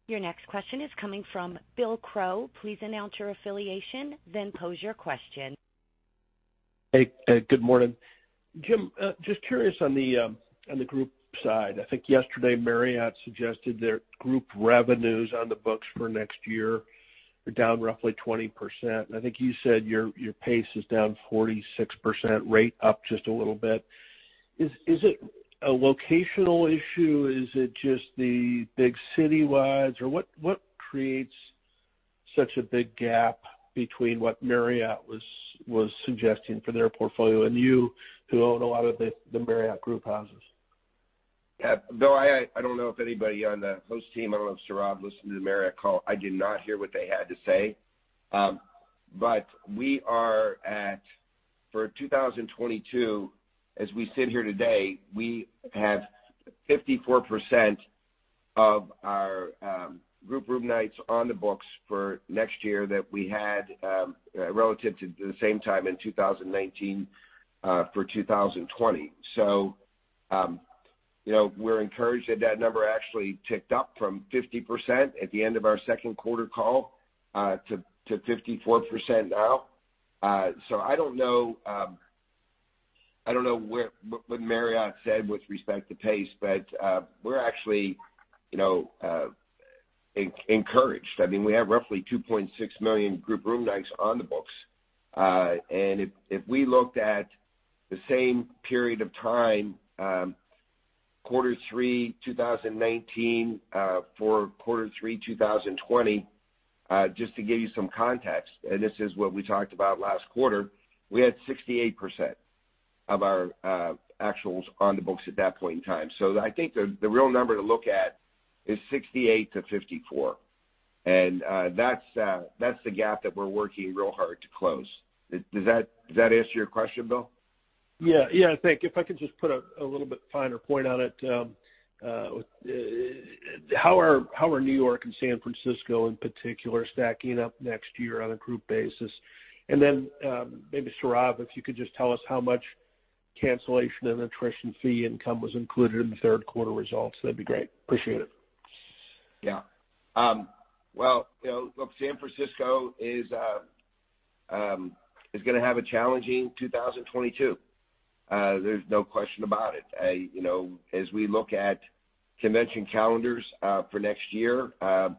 Your next question is coming from Bill Crow. Please announce your affiliation, then pose your question. Hey, good morning. Jim, just curious on the group side. I think yesterday, Marriott suggested their group revenues on the books for next year are down roughly 20%. I think you said your pace is down 46%, rate up just a little bit. Is it a locational issue? Is it just the big citywide? Or what creates such a big gap between what Marriott was suggesting for their portfolio and you who own a lot of the Marriott group houses? Yeah. Bill, I don't know if anybody on the Host team, I don't know if Sourav listened to the Marriott call. I did not hear what they had to say. We are at, for 2022, as we sit here today, we have 54% of our group room nights on the books for next year that we had relative to the same time in 2019 for 2020. You know, we're encouraged that number actually ticked up from 50% at the end of our second quarter call to 54% now. I don't know what Marriott said with respect to pace, but we're actually encouraged. I mean, we have roughly 2.6 million group room nights on the books. If we looked at the same period of time, Q3 2019 for Q3 2020, just to give you some context, and this is what we talked about last quarter, we had 68% of our actuals on the books at that point in time. I think the real number to look at is 68%-54%. That's the gap that we're working real hard to close. Does that answer your question, Bill? Yeah. If I could just put a little bit finer point on it, how are New York and San Francisco in particular stacking up next year on a group basis? Then, maybe Sourav, if you could just tell us how much cancellation and attrition fee income was included in the third quarter results, that'd be great. Appreciate it. Yeah. Well, you know, look, San Francisco is gonna have a challenging 2022. There's no question about it. You know, as we look at convention calendars for next year, San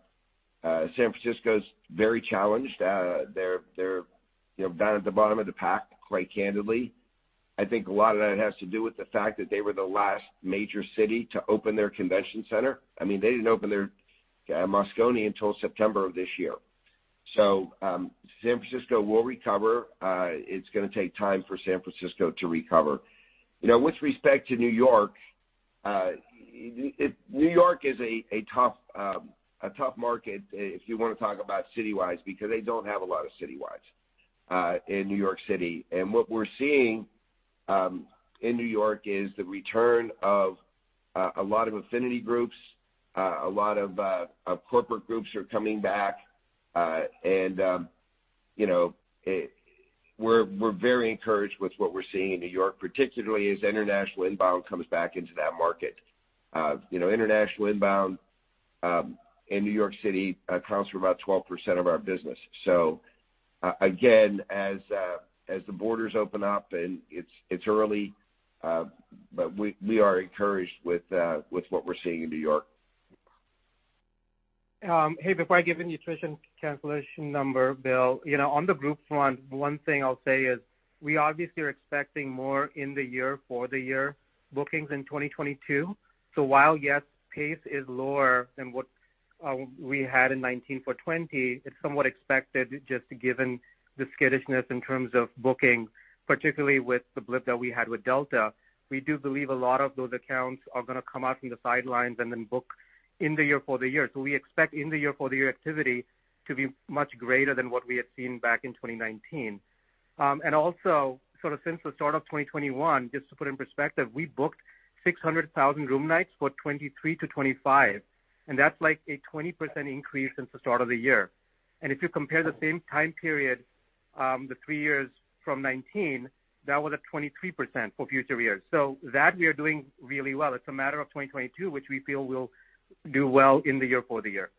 Francisco's very challenged. They're, you know, down at the bottom of the pack, quite candidly. I think a lot of that has to do with the fact that they were the last major city to open their convention center. I mean, they didn't open their Moscone until September of this year. San Francisco will recover. It's gonna take time for San Francisco to recover. You know, with respect to New York, New York is a tough market if you wanna talk about citywide, because they don't have a lot of citywide in New York City. What we're seeing in New York is the return of a lot of affinity groups, a lot of corporate groups are coming back. You know, we're very encouraged with what we're seeing in New York, particularly as international inbound comes back into that market. You know, international inbound in New York City accounts for about 12% of our business. Again, as the borders open up and it's early, but we are encouraged with what we're seeing in New York. Hey, before I give you attrition cancellation number, Bill, you know, on the group front, one thing I'll say is we obviously are expecting more in the year for the year bookings in 2022. While yes, pace is lower than what we had in 2019 for 2020, it's somewhat expected just given the skittishness in terms of bookings, particularly with the blip that we had with Delta. We do believe a lot of those accounts are gonna come out from the sidelines and then book in the year for the year. We expect in the year for the year activity to be much greater than what we had seen back in 2019. Sort of since the start of 2021, just to put in perspective, we booked 600,000 room nights for 2023-2025, and that's like a 20% increase since the start of the year. If you compare the same time period, the three years from 2019, that was at 23% for future years that we are doing really well. It's a matter of 2022, which we feel will do well for the year.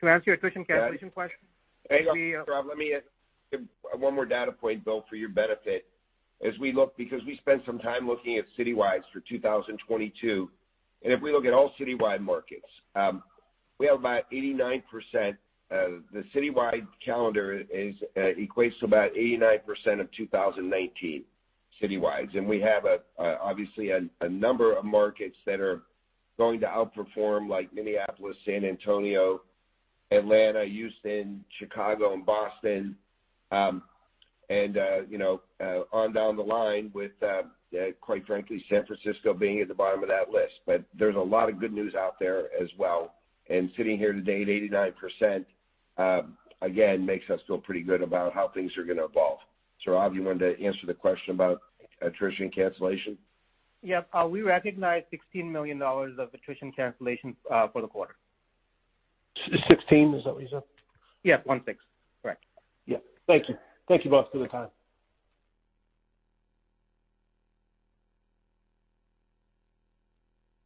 Can I answer your attrition cancellation question? Hey, Sourav, let me add one more data point, Bill, for your benefit. As we look because we spent some time looking at citywides for 2022, and if we look at all citywide markets, we have about 89%. The citywide calendar equates to about 89% of 2019 citywides. We have obviously a number of markets that are going to outperform like Minneapolis, San Antonio, Atlanta, Houston, Chicago and Boston, and you know on down the line with quite frankly San Francisco being at the bottom of that list. There's a lot of good news out there as well. Sitting here today at 89%, again, makes us feel pretty good about how things are gonna evolve. Sourav, you want to answer the question about attrition cancellation? Yep. We recognized $16 million of attrition cancellation for the quarter. Sixteen? Is that what you said? Yes. 16. Correct. Yeah. Thank you. Thank you both for the time.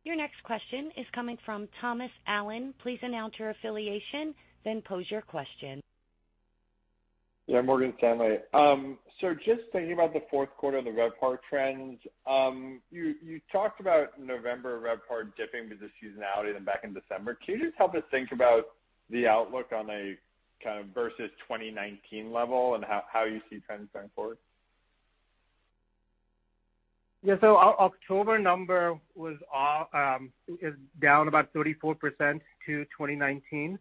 Your next question is coming from Thomas Allen. Please announce your affiliation, then pose your question. Yeah, Morgan Stanley. Just thinking about the fourth quarter and the RevPAR trends, you talked about November RevPAR dipping with the seasonality then back in December. Can you just help us think about the outlook on a kind of versus 2019 level and how you see trends going forward? Our October number is down about 34% to 2019.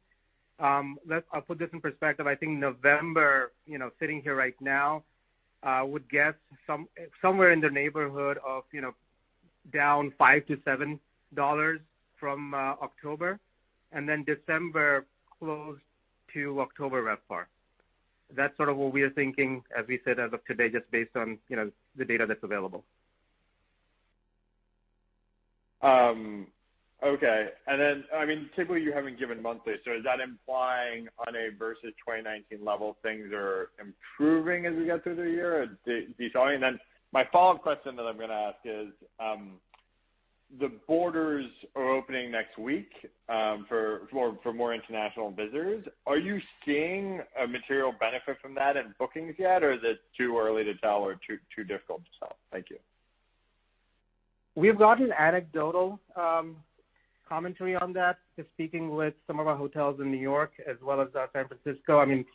I'll put this in perspective. I think November, you know, sitting here right now, would guess somewhere in the neighborhood of, you know, down $5-$7 from October, and then December close to October RevPAR. That's sort of what we are thinking as we sit as of today, just based on the data that's available. Okay. Then, I mean, typically you haven't given monthly, so is that implying on a versus 2019 level, things are improving as we get through the year or decreasing? My follow-up question that I'm gonna ask is, the borders are opening next week, for more international visitors. Are you seeing a material benefit from that in bookings yet, or is it too early to tell or too difficult to tell? Thank you. We've gotten anecdotal commentary on that, just speaking with some of our hotels in New York as well as San Francisco. I mean,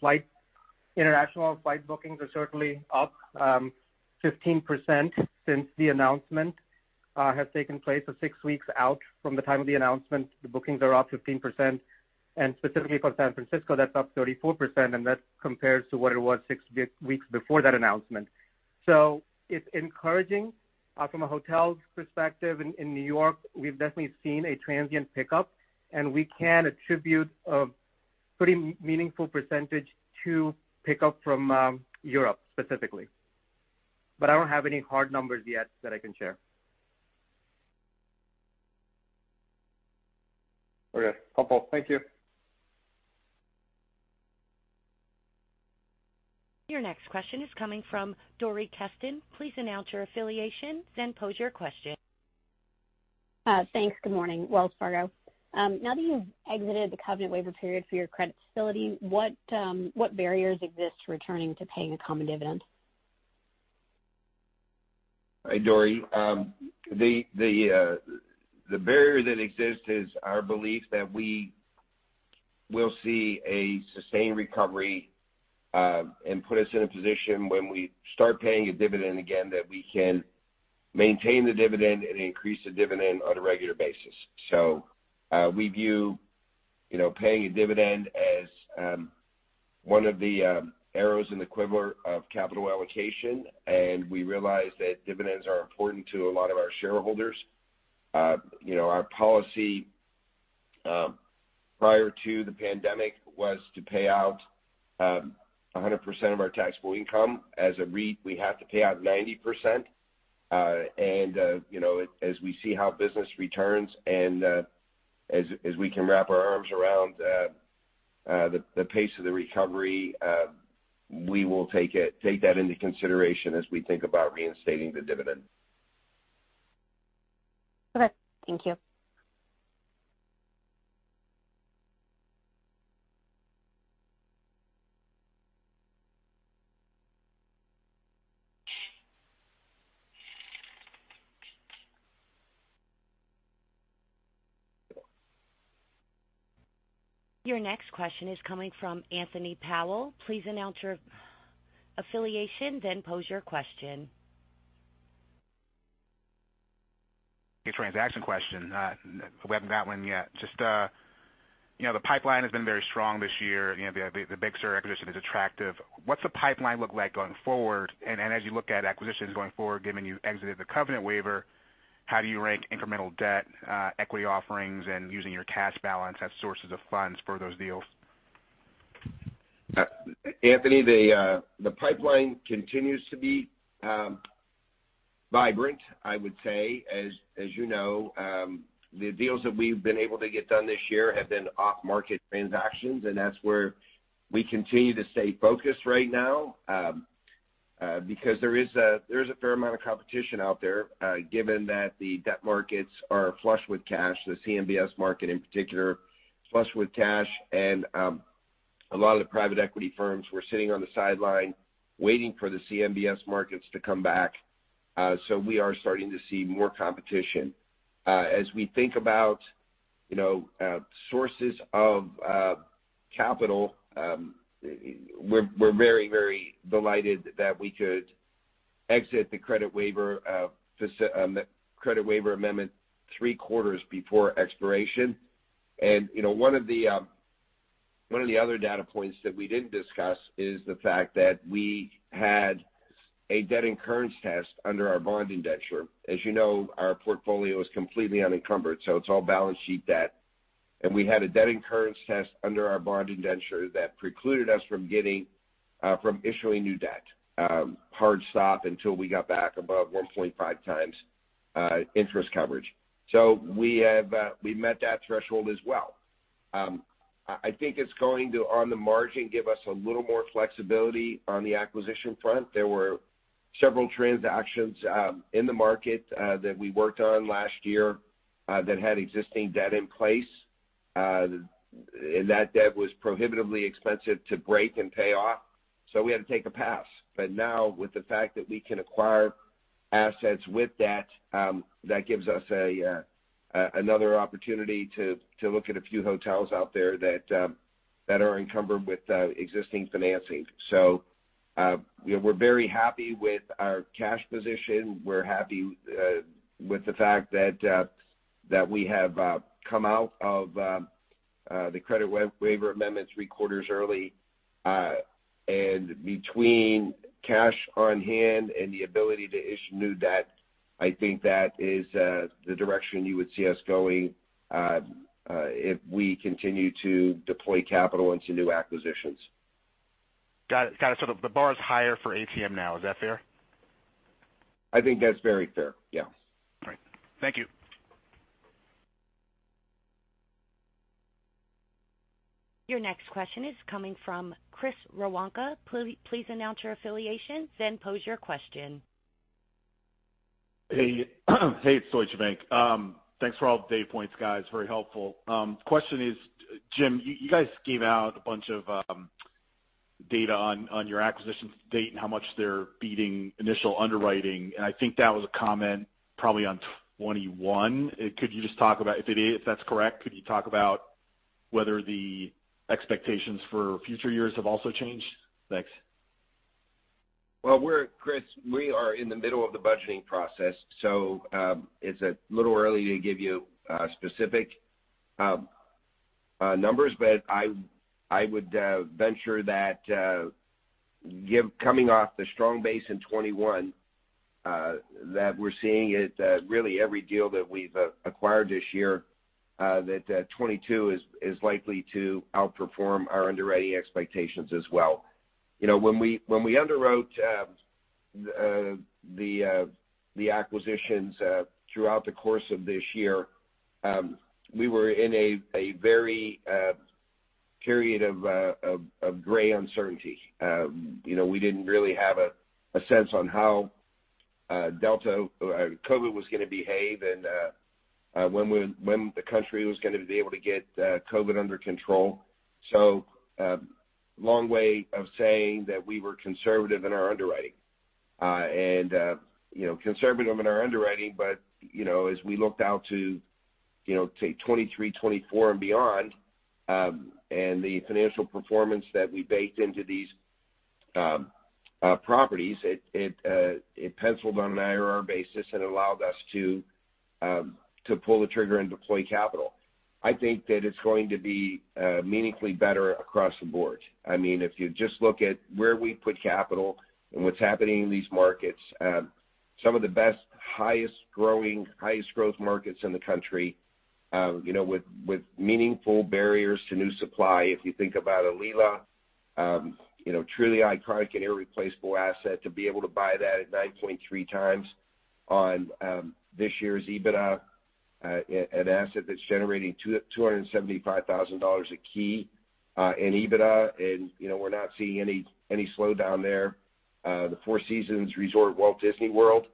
international flight bookings are certainly up 15% since the announcement has taken place. Six weeks out from the time of the announcement, the bookings are up 15%, and specifically for San Francisco, that's up 34%, and that compares to what it was six weeks before that announcement. It's encouraging from a hotel perspective. In New York, we've definitely seen a transient pickup, and we can attribute a pretty meaningful percentage to pickup from Europe specifically. I don't have any hard numbers yet that I can share. Okay. Helpful. Thank you. Your next question is coming from Dori Kesten. Please announce your affiliation, then pose your question. Thanks. Good morning, Wells Fargo. Now that you've exited the covenant waiver period for your credit facility, what barriers exist to returning to paying a common dividend? Hi, Dori. The barrier that exists is our belief that we will see a sustained recovery and put us in a position when we start paying a dividend again, that we can maintain the dividend and increase the dividend on a regular basis. We view, you know, paying a dividend as one of the arrows in the quiver of capital allocation, and we realize that dividends are important to a lot of our shareholders. You know, our policy prior to the pandemic was to pay out 100% of our taxable income. As a REIT, we have to pay out 90%, and you know, as we see how business returns and as we can wrap our arms around the pace of the recovery, we will take that into consideration as we think about reinstating the dividend. Okay. Thank you. Your next question is coming from Anthony Powell. Please announce your affiliation, then pose your question. A transaction question. We haven't got one yet. Just, you know, the pipeline has been very strong this year. You know, the Big Sur acquisition is attractive. What's the pipeline look like going forward? As you look at acquisitions going forward, given you exited the covenant waiver, how do you rank incremental debt, equity offerings, and using your cash balance as sources of funds for those deals? Anthony, the pipeline continues to be vibrant, I would say. As you know, the deals that we've been able to get done this year have been off-market transactions, and that's where we continue to stay focused right now, because there is a fair amount of competition out there, given that the debt markets are flush with cash, the CMBS market in particular, flush with cash. A lot of the private equity firms were sitting on the sidelines waiting for the CMBS markets to come back. So we are starting to see more competition. As we think about, you know, sources of capital, we're very delighted that we could exit the credit waiver amendment three quarters before expiration. You know, one of the other data points that we didn't discuss is the fact that we had a debt incurrence test under our bond indenture. As you know, our portfolio is completely unencumbered, so it's all balance sheet debt. We had a debt incurrence test under our bond indenture that precluded us from issuing new debt, hard stop until we got back above 1.5 times interest coverage. We've met that threshold as well. I think it's going to, on the margin, give us a little more flexibility on the acquisition front. There were several transactions in the market that we worked on last year that had existing debt in place. That debt was prohibitively expensive to break and pay off, so we had to take a pass. Now, with the fact that we can acquire assets with that gives us another opportunity to look at a few hotels out there that are encumbered with existing financing. You know, we're very happy with our cash position. We're happy with the fact that we have come out of the credit waiver amendments three quarters early. Between cash on hand and the ability to issue new debt, I think that is the direction you would see us going, if we continue to deploy capital into new acquisitions. Got it. The bar is higher for ATM now. Is that fair? I think that's very fair. Yeah. All right. Thank you. Your next question is coming from Chris Woronka. Please announce your affiliation then pose your question. Hey. Hey, it's Deutsche Bank. Thanks for all the data points, guys. Very helpful. Question is, Jim, you guys gave out a bunch of data on your acquisitions to date and how much they're beating initial underwriting, and I think that was a comment probably on 2021. Could you just talk about if that's correct, whether the expectations for future years have also changed? Thanks. Well, Chris, we are in the middle of the budgeting process, so it's a little early to give you specific numbers. I would venture that coming off the strong base in 2021, that we're seeing it really every deal that we've acquired this year, that 2022 is likely to outperform our underwriting expectations as well. You know, when we underwrote the acquisitions throughout the course of this year, we were in a very period of great uncertainty. You know, we didn't really have a sense on how Delta COVID was gonna behave and when the country was gonna be able to get COVID under control. Long way of saying that we were conservative in our underwriting, but you know, as we looked out to you know, say, 2023, 2024 and beyond, and the financial performance that we baked into these properties, it penciled on an IRR basis and allowed us to pull the trigger and deploy capital. I think that it's going to be meaningfully better across the board. I mean, if you just look at where we put capital and what's happening in these markets, some of the best highest growing highest growth markets in the country, you know, with meaningful barriers to new supply. If you think about Alila, you know, truly iconic and irreplaceable asset to be able to buy that at 9.3x on this year's EBITDA, an asset that's generating $275,000 a key in EBITDA and, you know, we're not seeing any slowdown there. The Four Seasons Resort Orlando at Walt Disney World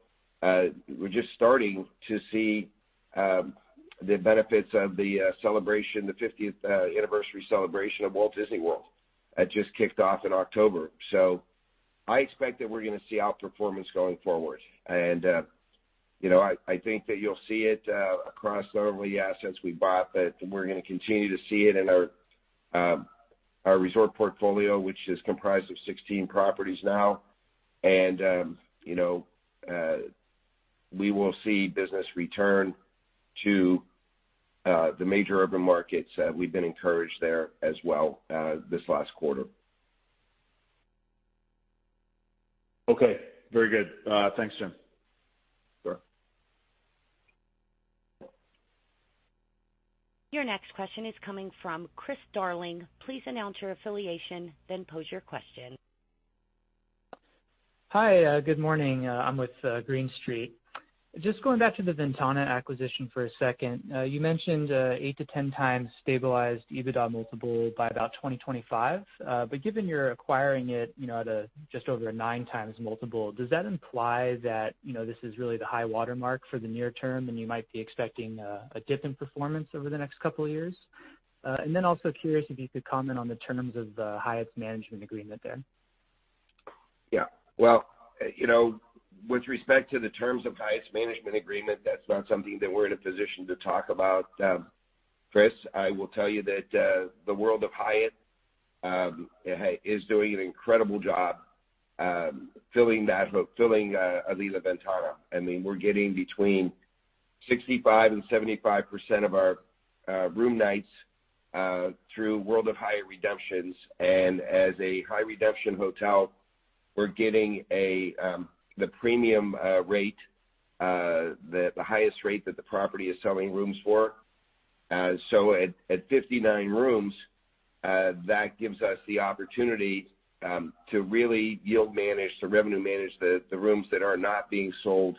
Resort, we're just starting to see the benefits of the celebration, the 50th anniversary celebration of Walt Disney World Resort, just kicked off in October. So I expect that we're gonna see outperformance going forward. You know, I think that you'll see it across all the assets we bought that we're gonna continue to see it in our resort portfolio, which is comprised of 16 properties now. You know, we will see business return to the major urban markets. We've been encouraged there as well, this last quarter. Okay. Very good. Thanks, Jim. Sure. Your next question is coming from Chris Darling. Please announce your affiliation, then pose your question. Hi, good morning. I'm with Green Street. Just going back to the Ventana acquisition for a second. You mentioned 8-10x stabilized EBITDA multiple by about 2025. But given you're acquiring it, you know, at just over a 9x multiple, does that imply that, you know, this is really the high watermark for the near term and you might be expecting a dip in performance over the next couple of years? And then also curious if you could comment on the terms of Hyatt's management agreement there. Yeah. Well, you know, with respect to the terms of Hyatt's management agreement, that's not something that we're in a position to talk about, Chris. I will tell you that the World of Hyatt is doing an incredible job filling Alila Ventana. I mean, we're getting between 65%-75% of our room nights through World of Hyatt redemptions. As a high redemption hotel, we're getting the premium rate, the highest rate that the property is selling rooms for. At 59 rooms, that gives us the opportunity to really yield manage, to revenue manage the rooms that are not being sold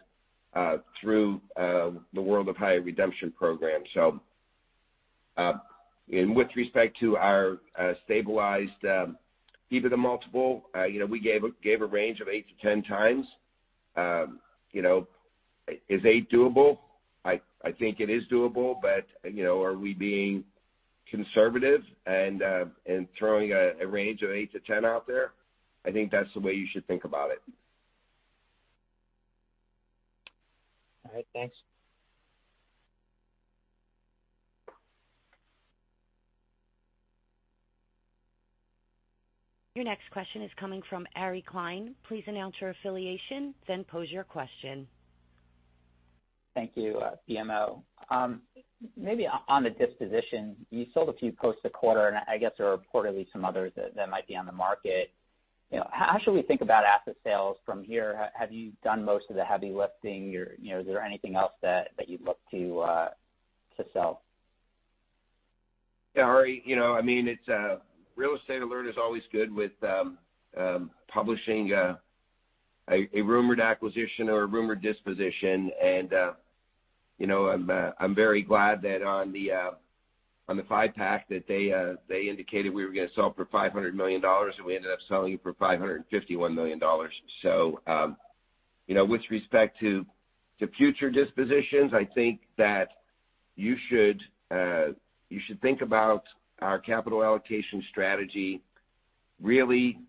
through the World of Hyatt redemption program. with respect to our stabilized EBITDA multiple, you know, we gave a range of 8x-10x. You know, is 8x doable? I think it is doable, but, you know, are we being conservative and throwing a range of 8x-10x out there? I think that's the way you should think about it. All right. Thanks. Your next question is coming from Ari Klein. Please announce your affiliation, then pose your question. Thank you, BMO. Maybe on the disposition, you sold a few assets a quarter, and I guess there are reportedly some others that might be on the market. You know, how should we think about asset sales from here? Have you done most of the heavy lifting or, you know, is there anything else that you'd look to sell? Yeah. Ari, you know, I mean, it's Real Estate Alert is always good with publishing a rumored acquisition or a rumored disposition. You know, I'm very glad that on the five-pack that they indicated we were gonna sell for $500 million, and we ended up selling it for $551 million. You know, with respect to future dispositions, I think that you should think about our capital allocation strategy, really,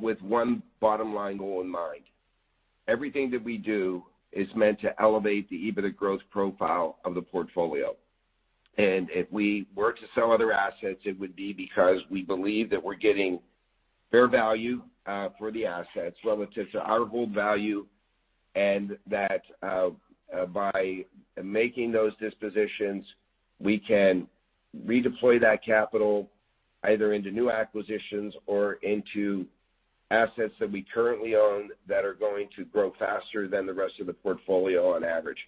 with one bottom line goal in mind. Everything that we do is meant to elevate the EBITDA growth profile of the portfolio. If we were to sell other assets, it would be because we believe that we're getting fair value for the assets relative to our hold value, and that by making those dispositions, we can redeploy that capital either into new acquisitions or into assets that we currently own that are going to grow faster than the rest of the portfolio on average.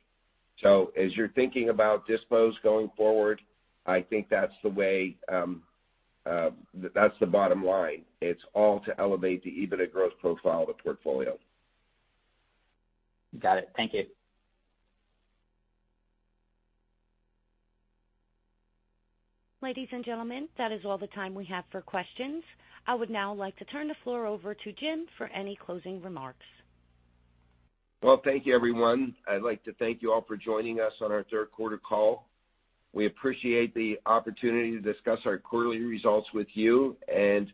As you're thinking about dispositions going forward, I think that's the way, that's the bottom line. It's all to elevate the EBITDA growth profile of the portfolio. Got it. Thank you. Ladies and gentlemen, that is all the time we have for questions. I would now like to turn the floor over to Jim for any closing remarks. Well, thank you, everyone. I'd like to thank you all for joining us on our third quarter call. We appreciate the opportunity to discuss our quarterly results with you, and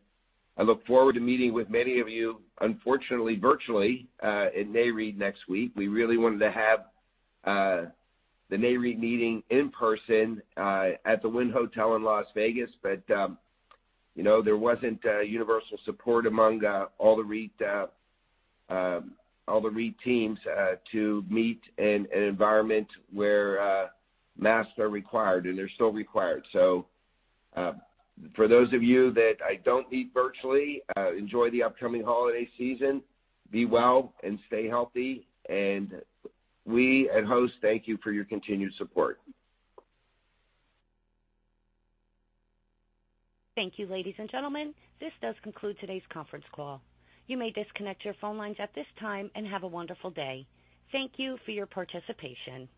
I look forward to meeting with many of you, unfortunately, virtually, at Nareit next week. We really wanted to have the Nareit meeting in person at the Wynn Hotel in Las Vegas, but you know, there wasn't universal support among all the REIT teams to meet in an environment where masks are required, and they're still required. For those of you that I don't meet virtually, enjoy the upcoming holiday season, be well and stay healthy, and we at Host thank you for your continued support. Thank you, ladies and gentlemen. This does conclude today's conference call. You may disconnect your phone lines at this time and have a wonderful day. Thank you for your participation.